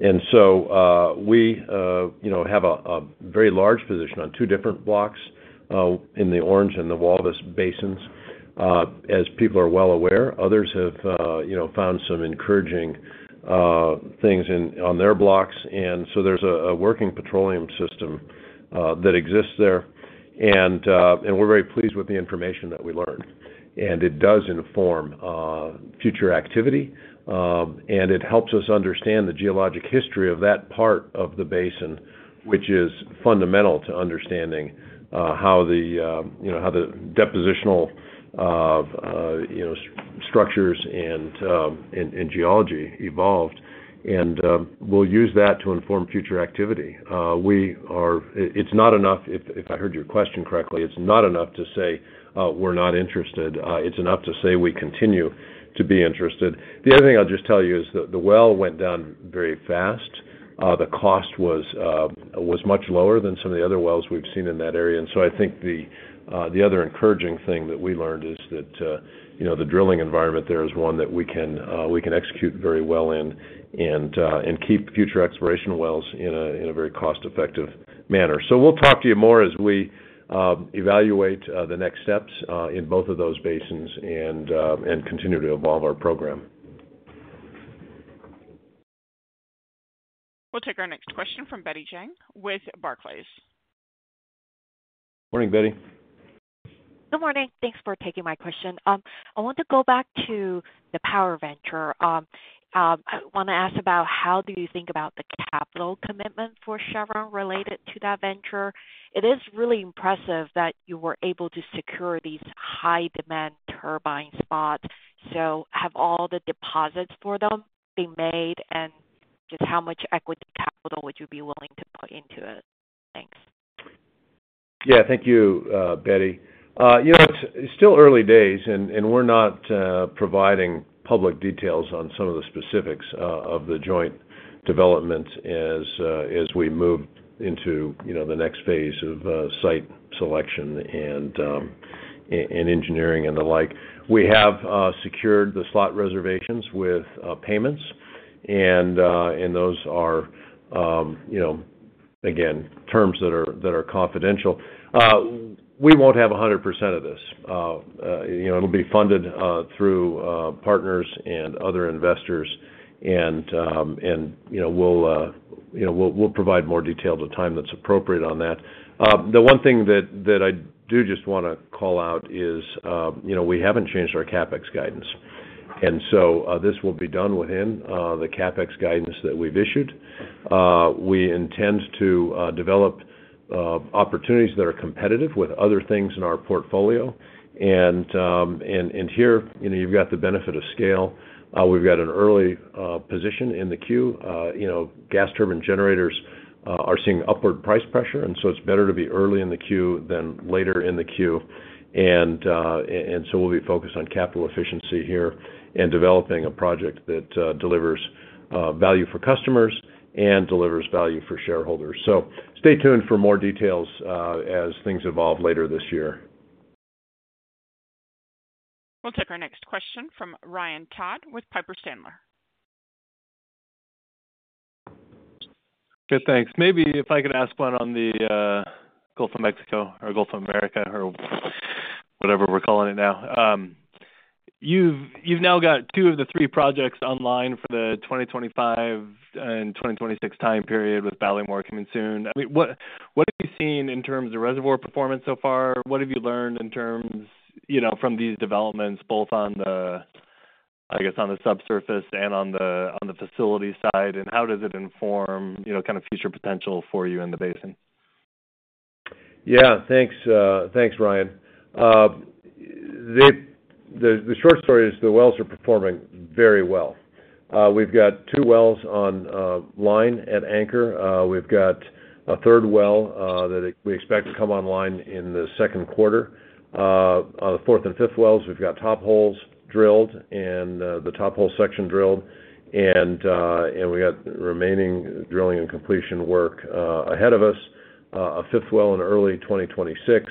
And so we have a very large position on two different blocks in the Orange and Walvis Basins. As people are well aware, others have found some encouraging things on their blocks. And so there's a working petroleum system that exists there. And we're very pleased with the information that we learn. And it does inform future activity. And it helps us understand the geologic history of that part of the basin, which is fundamental to understanding how the depositional structures and geology evolved. And we'll use that to inform future activity. It's not enough, if I heard your question correctly, it's not enough to say, "We're not interested." It's enough to say, "We continue to be interested." The other thing I'll just tell you is that the well went down very fast. The cost was much lower than some of the other wells we've seen in that area. And so I think the other encouraging thing that we learned is that the drilling environment there is one that we can execute very well in and keep future exploration wells in a very cost-effective manner. So we'll talk to you more as we evaluate the next steps in both of those basins and continue to evolve our program. We'll take our next question from Betty Jiang with Barclays. Morning, Betty. Good morning. Thanks for taking my question. I want to go back to the power venture. I want to ask about how do you think about the capital commitment for Chevron related to that venture? It is really impressive that you were able to secure these high-demand turbine spots. So have all the deposits for them been made? And just how much equity capital would you be willing to put into it? Thanks. Yeah. Thank you, Betty. It's still early days, and we're not providing public details on some of the specifics of the joint developments as we move into the next phase of site selection and engineering and the like. We have secured the slot reservations with payments, and those are, again, terms that are confidential. We won't have 100% of this. It'll be funded through partners and other investors, and we'll provide more detail at a time that's appropriate on that. The one thing that I do just want to call out is we haven't changed our CapEx guidance, and so this will be done within the CapEx guidance that we've issued. We intend to develop opportunities that are competitive with other things in our portfolio, and here, you've got the benefit of scale. We've got an early position in the queue. Gas turbine generators are seeing upward price pressure, and so it's better to be early in the queue than later in the queue. And so we'll be focused on capital efficiency here and developing a project that delivers value for customers and delivers value for shareholders. So stay tuned for more details as things evolve later this year. We'll take our next question from Ryan Todd with Piper Sandler. Good. Thanks. Maybe if I could ask one on the Gulf of Mexico or Gulf of America or whatever we're calling it now. You've now got two of the three projects online for the 2025 and 2026 time period with Ballymore coming soon. I mean, what have you seen in terms of reservoir performance so far? What have you learned in terms from these developments, both on the, I guess, subsurface and on the facility side, and how does it inform kind of future potential for you in the basin? Yeah. Thanks, Ryan. The short story is the wells are performing very well. We've got two wells online at Anchor. We've got a third well that we expect to come online in the Q2. On the fourth and fifth wells, we've got top holes drilled and the top hole section drilled. And we've got remaining drilling and completion work ahead of us, a fifth well in early 2026.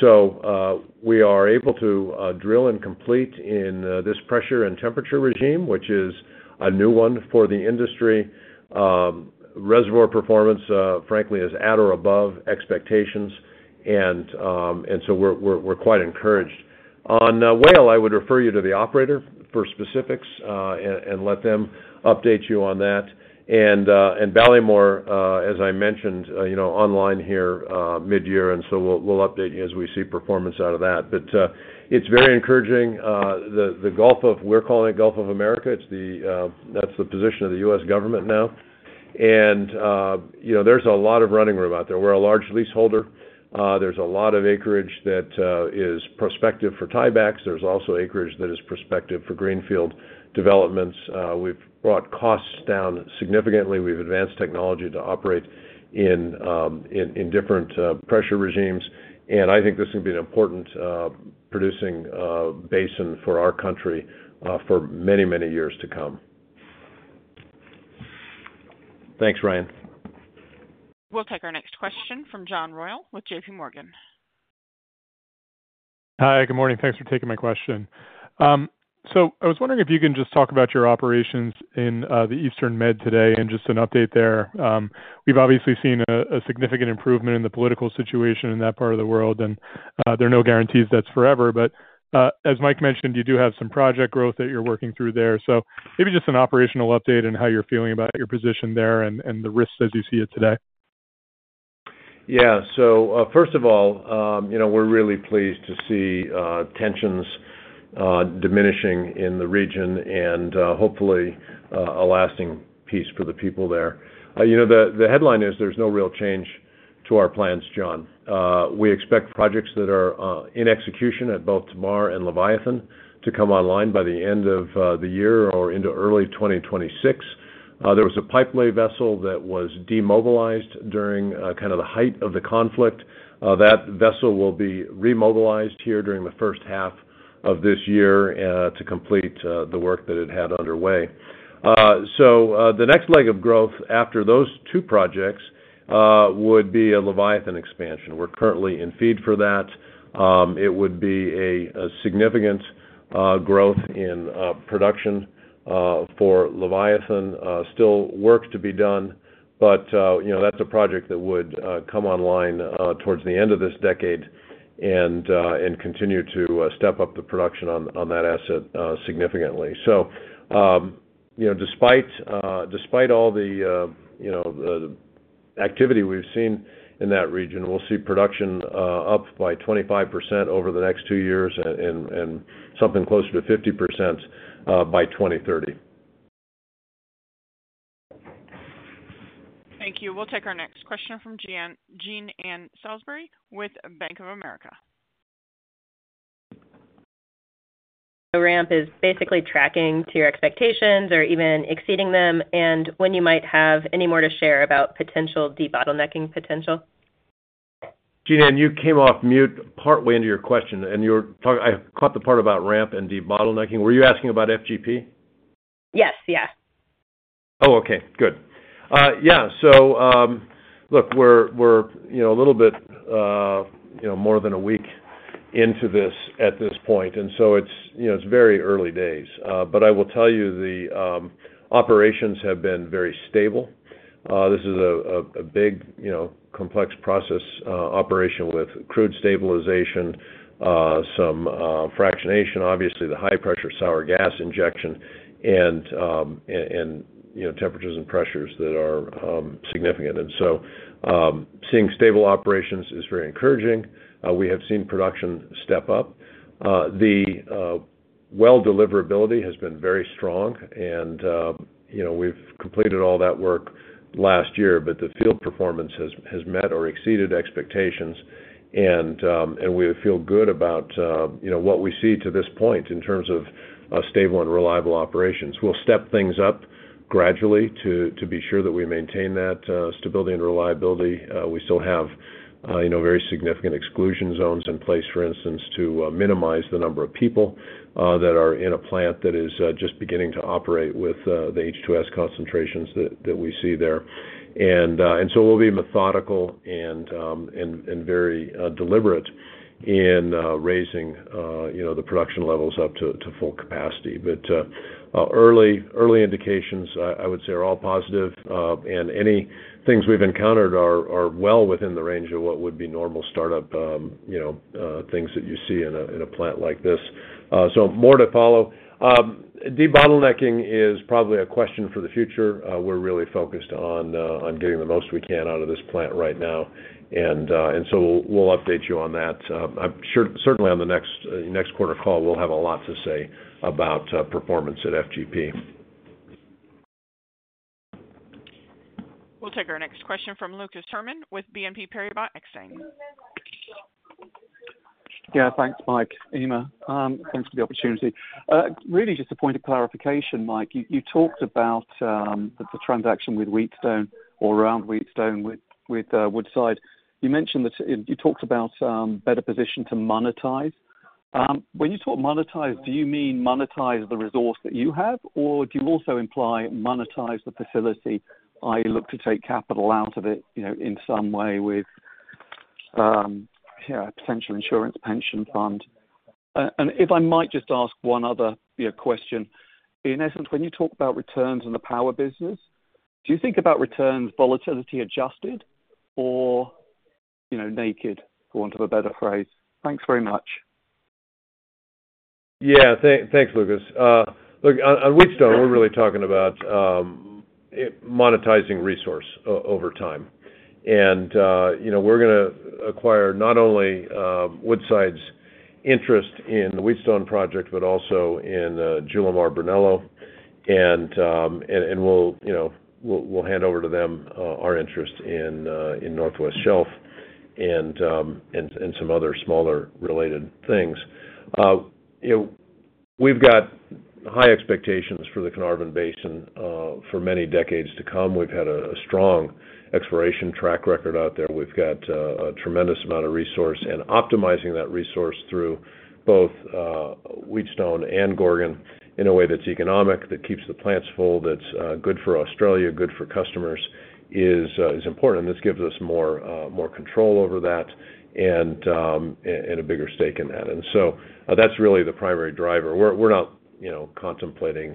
So we are able to drill and complete in this pressure and temperature regime, which is a new one for the industry. Reservoir performance, frankly, is at or above expectations. And so we're quite encouraged. On Whale, I would refer you to the operator for specifics and let them update you on that. And Ballymore, as I mentioned, online here mid-year. And so we'll update you as we see performance out of that. But it's very encouraging. The Gulf of, we're calling it Gulf of America. That's the position of the U.S. government now, and there's a lot of running room out there. We're a large leaseholder. There's a lot of acreage that is prospective for tie-backs. There's also acreage that is prospective for greenfield developments. We've brought costs down significantly. We've advanced technology to operate in different pressure regimes, and I think this is going to be an important producing basin for our country for many, many years to come. Thanks, Ryan. We'll take our next question from John Royall with JPMorgan. Hi. Good morning. Thanks for taking my question, so I was wondering if you can just talk about your operations in the Eastern Med today and just an update there. We've obviously seen a significant improvement in the political situation in that part of the world, and there are no guarantees that's forever, but as Mike mentioned, you do have some project growth that you're working through there, so maybe just an operational update and how you're feeling about your position there and the risks as you see it today. Yeah. So first of all, we're really pleased to see tensions diminishing in the region and hopefully a lasting peace for the people there. The headline is there's no real change to our plans, John. We expect projects that are in execution at both Tamar and Leviathan to come online by the end of the year or into early 2026. There was a pipelay vessel that was demobilized during kind of the height of the conflict. That vessel will be remobilized here during the first half of this year to complete the work that it had underway. So the next leg of growth after those two projects would be a Leviathan expansion. We're currently in feed for that. It would be a significant growth in production for Leviathan. Still work to be done, but that's a project that would come online toward the end of this decade and continue to step up the production on that asset significantly. So despite all the activity we've seen in that region, we'll see production up by 25% over the next two years and something closer to 50% by 2030. Thank you. We'll take our next question from Jean Ann Salisbury with Bank of America. The ramp is basically tracking to your expectations or even exceeding them. And when you might have any more to share about potential debottlenecking potential? Jean Ann, you came off mute partway into your question, and I caught the part about ramp and debottlenecking. Were you asking about FGP? Yes. Yeah. Oh, okay. Good. Yeah. So look, we're a little bit more than a week into this at this point. And so it's very early days. But I will tell you the operations have been very stable. This is a big, complex process operation with crude stabilization, some fractionation, obviously the high-pressure sour gas injection, and temperatures and pressures that are significant. And so seeing stable operations is very encouraging. We have seen production step up. The well deliverability has been very strong. And we've completed all that work last year, but the field performance has met or exceeded expectations. And we feel good about what we see to this point in terms of stable and reliable operations. We'll step things up gradually to be sure that we maintain that stability and reliability. We still have very significant exclusion zones in place, for instance, to minimize the number of people that are in a plant that is just beginning to operate with the H2S concentrations that we see there. We will be methodical and very deliberate in raising the production levels up to full capacity. Early indications, I would say, are all positive. Any things we've encountered are well within the range of what would be normal startup things that you see in a plant like this. More to follow. Debottlenecking is probably a question for the future. We are really focused on getting the most we can out of this plant right now. We will update you on that. Certainly, on the next quarter call, we will have a lot to say about performance at FGP. We'll take our next question from Lucas Herrmann with BNP Paribas Exane. Yeah. Thanks, Mike. Eimear, thanks for the opportunity. Really just a point of clarification, Mike. You talked about the transaction with Wheatstone or around Wheatstone with Woodside. You talked about better position to monetize. When you talk monetize, do you mean monetize the resource that you have, or do you also imply monetize the facility, i.e., look to take capital out of it in some way with a potential insurance pension fund? And if I might just ask one other question. In essence, when you talk about returns and the power business, do you think about returns volatility adjusted or naked, for want of a better phrase? Thanks very much. Yeah. Thanks, Lucas. Look, on Wheatstone, we're really talking about monetizing resource over time. We're going to acquire not only Woodside's interest in the Wheatstone project, but also in Julimar-Brunello. We'll hand over to them our interest in Northwest Shelf and some other smaller related things. We've got high expectations for the Carnarvon Basin for many decades to come. We've had a strong exploration track record out there. We've got a tremendous amount of resource. Optimizing that resource through both Wheatstone and Gorgon in a way that's economic, that keeps the plants full, that's good for Australia, good for customers, is important. This gives us more control over that and a bigger stake in that. That's really the primary driver. We're not contemplating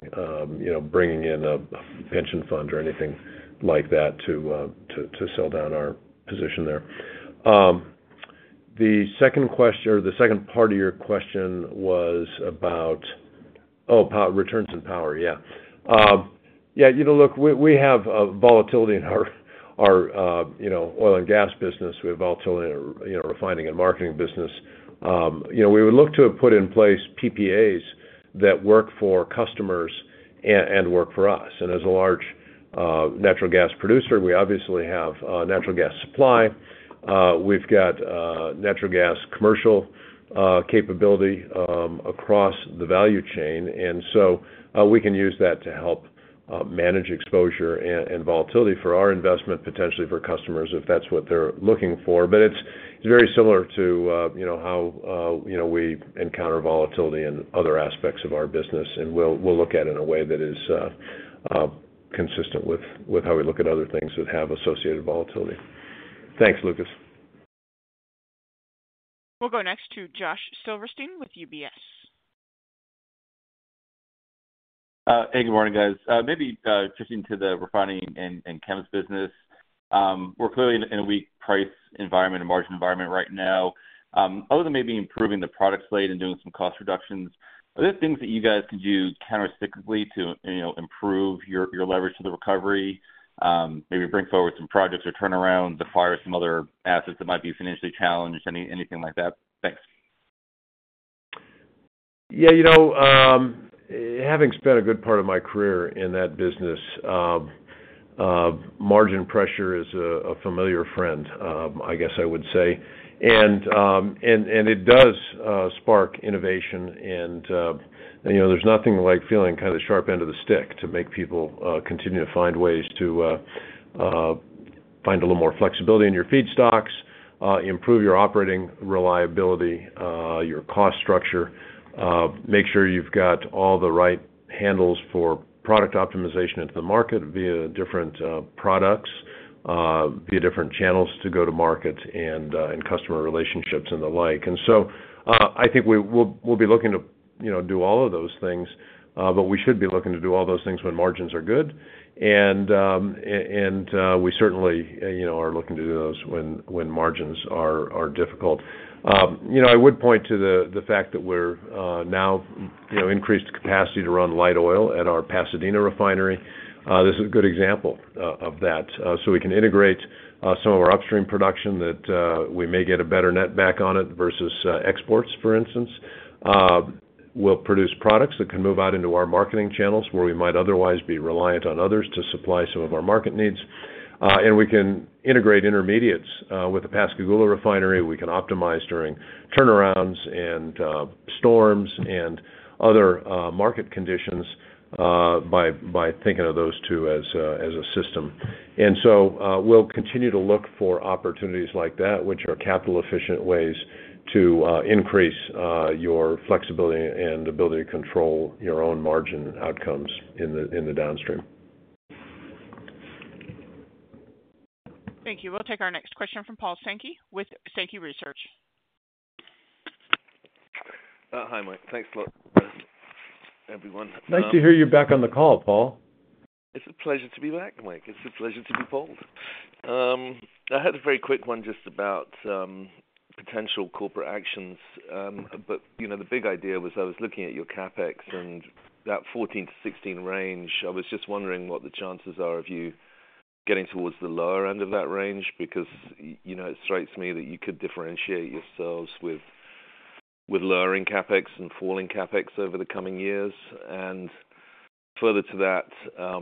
bringing in a pension fund or anything like that to sell down our position there. The second part of your question was about, oh, returns and power. Yeah. Yeah. Look, we have volatility in our oil and gas business. We have volatility in our refining and marketing business. We would look to put in place PPAs that work for customers and work for us, and as a large natural gas producer, we obviously have a natural gas supply. We've got natural gas commercial capability across the value chain, and so we can use that to help manage exposure and volatility for our investment, potentially for customers if that's what they're looking for. But it's very similar to how we encounter volatility in other aspects of our business, and we'll look at it in a way that is consistent with how we look at other things that have associated volatility. Thanks, Lucas. We'll go next to Josh Silverstein with UBS. Hey. Good morning, guys. Maybe just into the refining and chemicals business. We're clearly in a weak price environment and margin environment right now. Other than maybe improving the product slate and doing some cost reductions, are there things that you guys can do countercyclically to improve your leverage to the recovery, maybe bring forward some projects or turnarounds, acquire some other assets that might be financially challenged, anything like that? Thanks. Yeah. Having spent a good part of my career in that business, margin pressure is a familiar friend, I guess I would say. And it does spark innovation. And there's nothing like feeling kind of the sharp end of the stick to make people continue to find ways to find a little more flexibility in your feedstocks, improve your operating reliability, your cost structure, make sure you've got all the right handles for product optimization into the market via different products, via different channels to go to market and customer relationships and the like. And so I think we'll be looking to do all of those things, but we should be looking to do all those things when margins are good. And we certainly are looking to do those when margins are difficult. I would point to the fact that we're now increased capacity to run light oil at our Pasadena refinery. This is a good example of that. So we can integrate some of our upstream production that we may get a better netback on it versus exports, for instance. We'll produce products that can move out into our marketing channels where we might otherwise be reliant on others to supply some of our market needs. And we can integrate intermediates with the Pascagoula refinery. We can optimize during turnarounds and storms and other market conditions by thinking of those two as a system. And so we'll continue to look for opportunities like that, which are capital-efficient ways to increase your flexibility and ability to control your own margin outcomes in the downstream. Thank you. We'll take our next question from Paul Sankey with Sankey Research. Hi, Mike. Thanks a lot, everyone. Nice to hear you're back on the call, Paul. It's a pleasure to be back, Mike. It's a pleasure to be polled. I had a very quick one just about potential corporate actions. But the big idea was I was looking at your CapEx and that 14-16 range. I was just wondering what the chances are of you getting towards the lower end of that range because it strikes me that you could differentiate yourselves with lowering CapEx and falling CapEx over the coming years. And further to that, I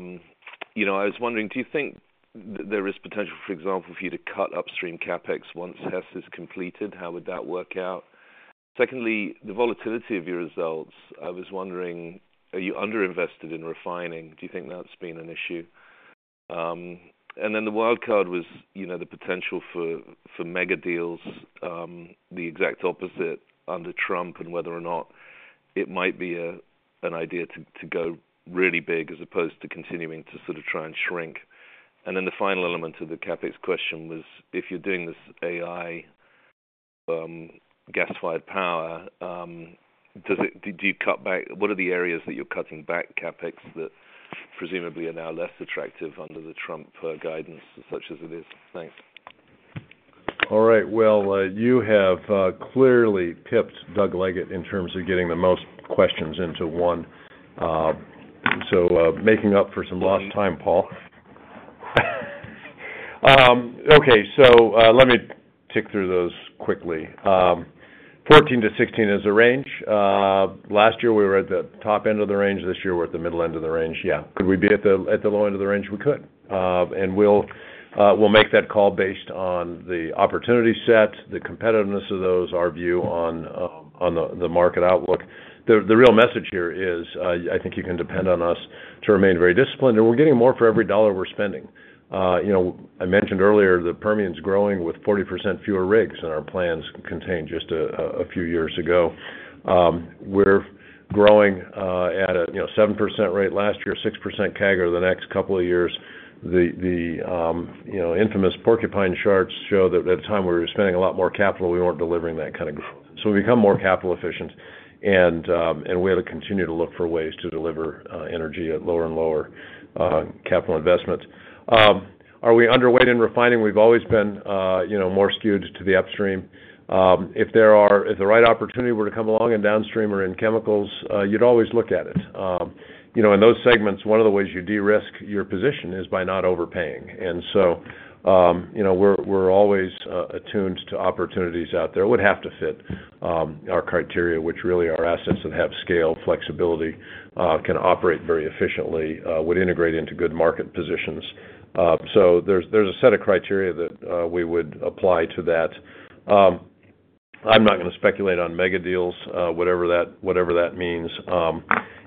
was wondering, do you think there is potential, for example, for you to cut upstream CapEx once Hess is completed? How would that work out? Secondly, the volatility of your results. I was wondering, are you underinvested in refining? Do you think that's been an issue? And then the wildcard was the potential for mega deals, the exact opposite under Trump and whether or not it might be an idea to go really big as opposed to continuing to sort of try and shrink. And then the final element of the CapEx question was, if you're doing this AI gas-fired power, do you cut back? What are the areas that you're cutting back CapEx that presumably are now less attractive under the Trump guidance such as it is? Thanks. All right. Well, you have clearly pipped Doug Leggate in terms of getting the most questions into one. So making up for some lost time, Paul. Okay. So let me tick through those quickly. 14-16 is a range. Last year, we were at the top end of the range. This year, we're at the middle end of the range. Yeah. Could we be at the low end of the range? We could. And we'll make that call based on the opportunity set, the competitiveness of those, our view on the market outlook. The real message here is I think you can depend on us to remain very disciplined. And we're getting more for every dollar we're spending. I mentioned earlier that Permian's growing with 40% fewer rigs than our plans contained just a few years ago. We're growing at a 7% rate last year, 6% CAGR the next couple of years. The infamous porcupine charts show that at a time where we were spending a lot more capital, we weren't delivering that kind of growth, so we've become more capital efficient and we have to continue to look for ways to deliver energy at lower and lower capital investments. Are we underweight in refining? We've always been more skewed to the upstream. If the right opportunity were to come along in downstream or in chemicals, you'd always look at it. In those segments, one of the ways you de-risk your position is by not overpaying and so we're always attuned to opportunities out there. It would have to fit our criteria, which really are assets that have scale, flexibility, can operate very efficiently, would integrate into good market positions. So there's a set of criteria that we would apply to that. I'm not going to speculate on mega deals, whatever that means.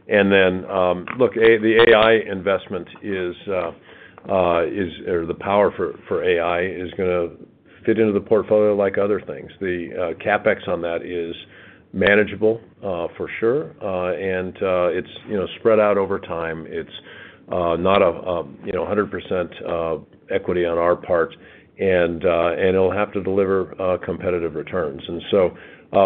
And then, look, the AI investment or the power for AI is going to fit into the portfolio like other things. The CapEx on that is manageable, for sure. And it's spread out over time. It's not a 100% equity on our part. And it'll have to deliver competitive returns. And so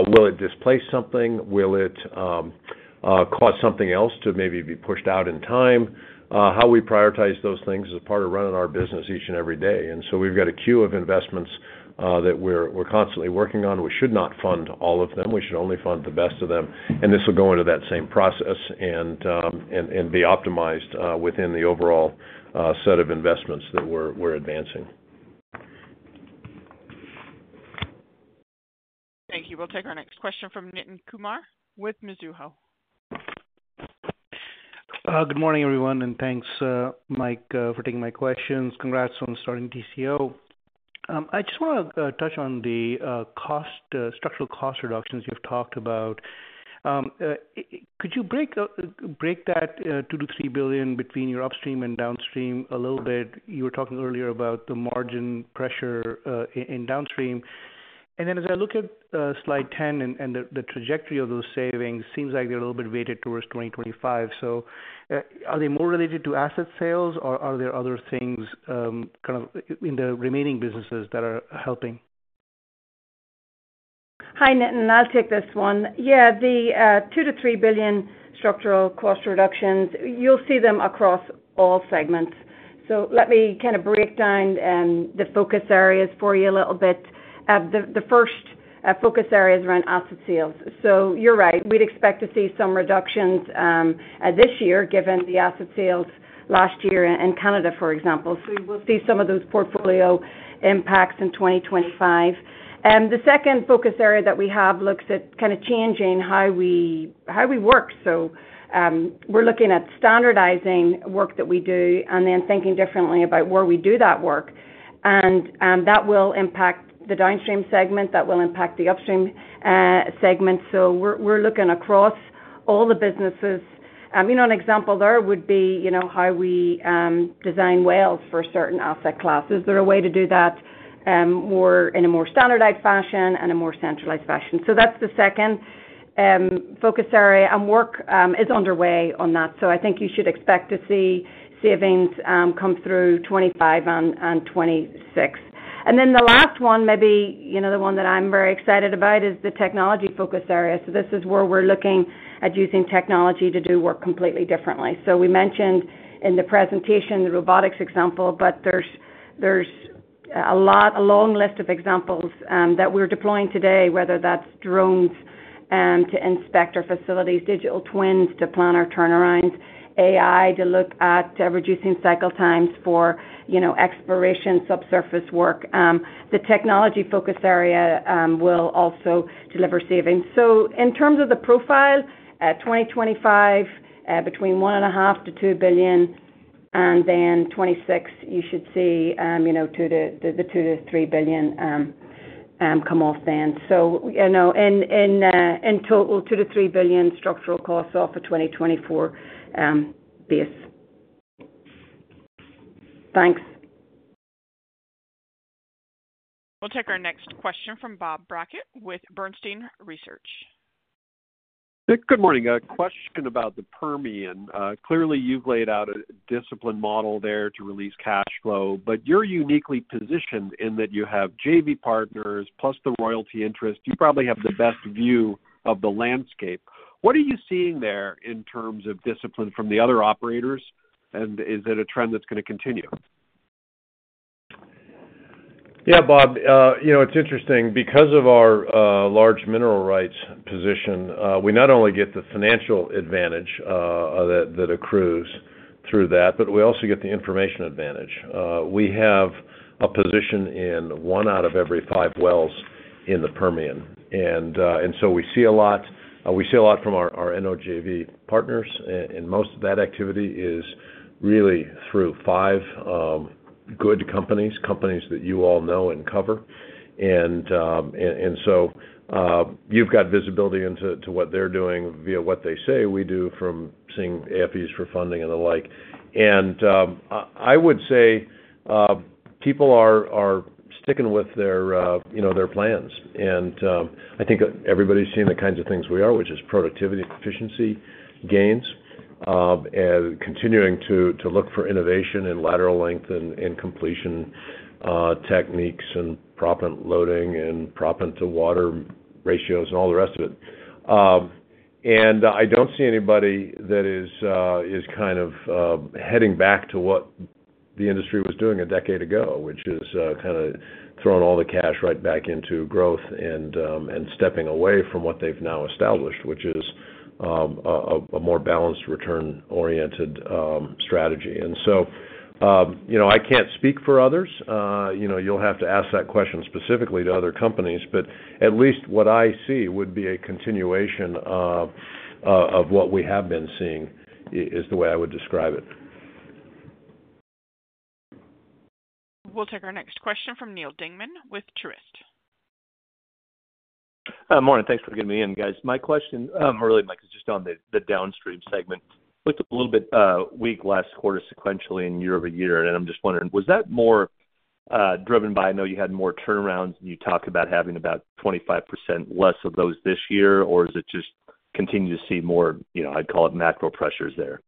will it displace something? Will it cause something else to maybe be pushed out in time? How we prioritize those things is part of running our business each and every day. And so we've got a queue of investments that we're constantly working on. We should not fund all of them. We should only fund the best of them. This will go into that same process and be optimized within the overall set of investments that we're advancing. Thank you. We'll take our next question from Nitin Kumar with Mizuho. Good morning, everyone, and thanks, Mike, for taking my questions. Congrats on starting TCO. I just want to touch on the structural cost reductions you've talked about. Could you break that $2-$3 billion between your upstream and downstream a little bit? You were talking earlier about the margin pressure in downstream. And then as I look at slide 10 and the trajectory of those savings, it seems like they're a little bit weighted towards 2025. So are they more related to asset sales, or are there other things kind of in the remaining businesses that are helping? Hi, Nitin. I'll take this one. Yeah. The $2-$3 billion structural cost reductions, you'll see them across all segments. So let me kind of break down the focus areas for you a little bit. The first focus area is around asset sales. So you're right. We'd expect to see some reductions this year given the asset sales last year in Canada, for example. So we will see some of those portfolio impacts in 2025. The second focus area that we have looks at kind of changing how we work. So we're looking at standardizing work that we do and then thinking differently about where we do that work. And that will impact the downstream segment. That will impact the upstream segment. So we're looking across all the businesses. An example there would be how we design wells for certain asset classes. There are ways to do that in a more standardized fashion and a more centralized fashion. So that's the second focus area. And work is underway on that. So I think you should expect to see savings come through 2025 and 2026. And then the last one, maybe the one that I'm very excited about, is the technology focus area. So this is where we're looking at using technology to do work completely differently. So we mentioned in the presentation the robotics example, but there's a long list of examples that we're deploying today, whether that's drones to inspect our facilities, digital twins to plan our turnarounds, AI to look at reducing cycle times for exploration, subsurface work. The technology focus area will also deliver savings. So in terms of the profile, 2025, between $1.5-$2 billion, and then 2026, you should see the $2-$3 billion come off then. So in total, $2-$3 billion structural costs off of 2024 base. Thanks. We'll take our next question from Bob Brackett with Bernstein Research. Good morning. A question about the Permian. Clearly, you've laid out a discipline model there to release cash flow. But you're uniquely positioned in that you have JV partners plus the royalty interest. You probably have the best view of the landscape. What are you seeing there in terms of discipline from the other operators? And is it a trend that's going to continue? Yeah, Bob. It's interesting. Because of our large mineral rights position, we not only get the financial advantage that accrues through that, but we also get the information advantage. We have a position in one out of every five wells in the Permian. And so we see a lot from our NOJV partners. And most of that activity is really through five good companies, companies that you all know and cover. And so you've got visibility into what they're doing via what they say we do from seeing AFEs for funding and the like. And I would say people are sticking with their plans. And I think everybody's seen the kinds of things we are, which is productivity, efficiency, gains, and continuing to look for innovation in lateral length and completion techniques and proppant loading and proppant to water ratios and all the rest of it. And I don't see anybody that is kind of heading back to what the industry was doing a decade ago, which is kind of throwing all the cash right back into growth and stepping away from what they've now established, which is a more balanced return-oriented strategy. And so I can't speak for others. You'll have to ask that question specifically to other companies. But at least what I see would be a continuation of what we have been seeing is the way I would describe it. We'll take our next question from Neal Dingmann with Truist. Morning. Thanks for getting me in, guys. My question really, Mike, is just on the downstream segment. It looked a little bit weak last quarter sequentially and year over year. And I'm just wondering, was that more driven by? I know you had more turnarounds and you talked about having about 25% less of those this year, or is it just continue to see more, I'd call it, macro pressures there?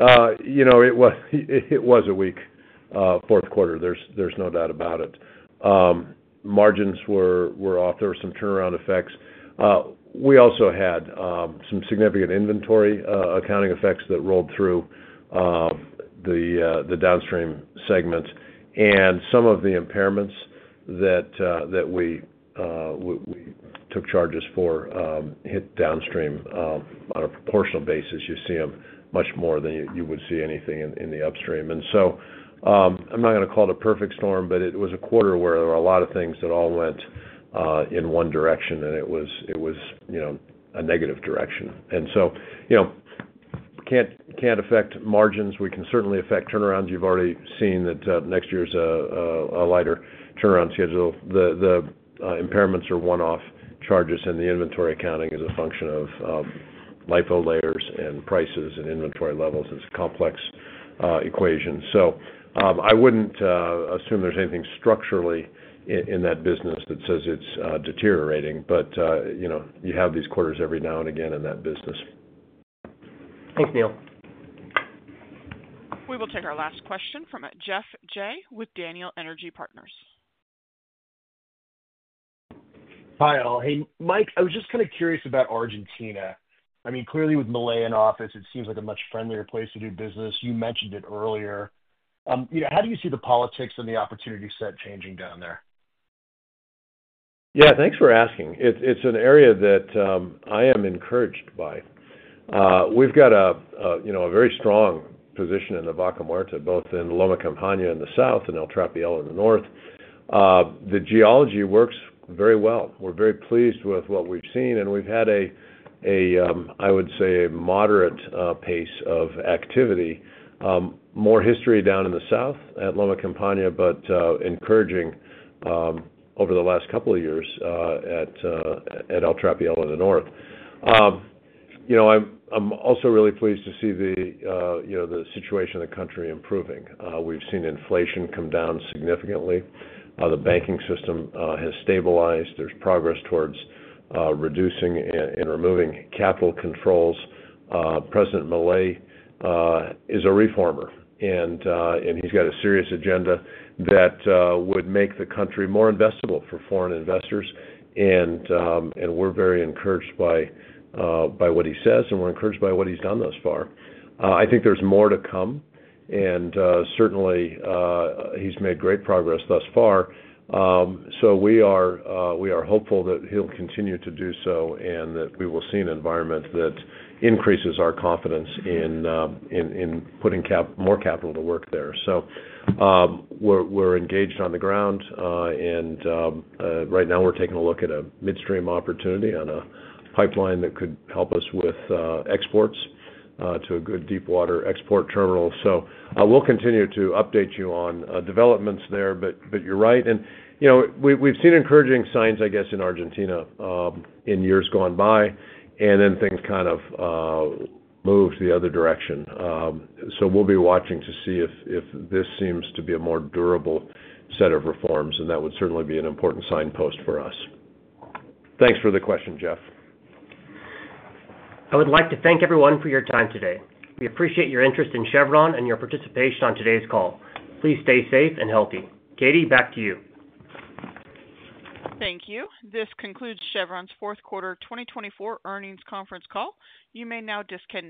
It was a weak Q4. There's no doubt about it. Margins were off. There were some turnaround effects. We also had some significant inventory accounting effects that rolled through the downstream segments. And some of the impairments that we took charges for hit downstream on a proportional basis. You see them much more than you would see anything in the upstream. And so I'm not going to call it a perfect storm, but it was a quarter where there were a lot of things that all went in one direction, and it was a negative direction. And so can't affect margins. We can certainly affect turnarounds. You've already seen that next year's a lighter turnaround schedule. The impairments are one-off charges, and the inventory accounting is a function of LIFO layers and prices and inventory levels. It's a complex equation. So I wouldn't assume there's anything structurally in that business that says it's deteriorating. But you have these quarters every now and again in that business. Thanks, Neil. We will take our last question from Geoff Jay with Daniel Energy Partners. Hi, all. Hey, Mike, I was just kind of curious about Argentina. I mean, clearly, with Milei in office, it seems like a much friendlier place to do business. You mentioned it earlier. How do you see the politics and the opportunity set changing down there? Yeah. Thanks for asking. It's an area that I am encouraged by. We've got a very strong position in the Vaca Muerta, both in Loma Campana in the south and El Trapial in the north. The geology works very well. We're very pleased with what we've seen. And we've had a, I would say, a moderate pace of activity. More history down in the south at Loma Campana, but encouraging over the last couple of years at El Trapial in the north. I'm also really pleased to see the situation of the country improving. We've seen inflation come down significantly. The banking system has stabilized. There's progress towards reducing and removing capital controls. President Milei is a reformer, and he's got a serious agenda that would make the country more investable for foreign investors. And we're very encouraged by what he says, and we're encouraged by what he's done thus far. I think there's more to come. And certainly, he's made great progress thus far. So we are hopeful that he'll continue to do so and that we will see an environment that increases our confidence in putting more capital to work there. So we're engaged on the ground. And right now, we're taking a look at a midstream opportunity on a pipeline that could help us with exports to a good deep-water export terminal. So we'll continue to update you on developments there. But you're right. And we've seen encouraging signs, I guess, in Argentina in years gone by, and then things kind of moved the other direction. So we'll be watching to see if this seems to be a more durable set of reforms. And that would certainly be an important signpost for us. Thanks for the question, Geoff. I would like to thank everyone for your time today. We appreciate your interest in Chevron and your participation on today's call. Please stay safe and healthy. Katie, back to you. Thank you. This concludes Chevron's Q4 2024 Earnings Conference Call. You may now disconnect.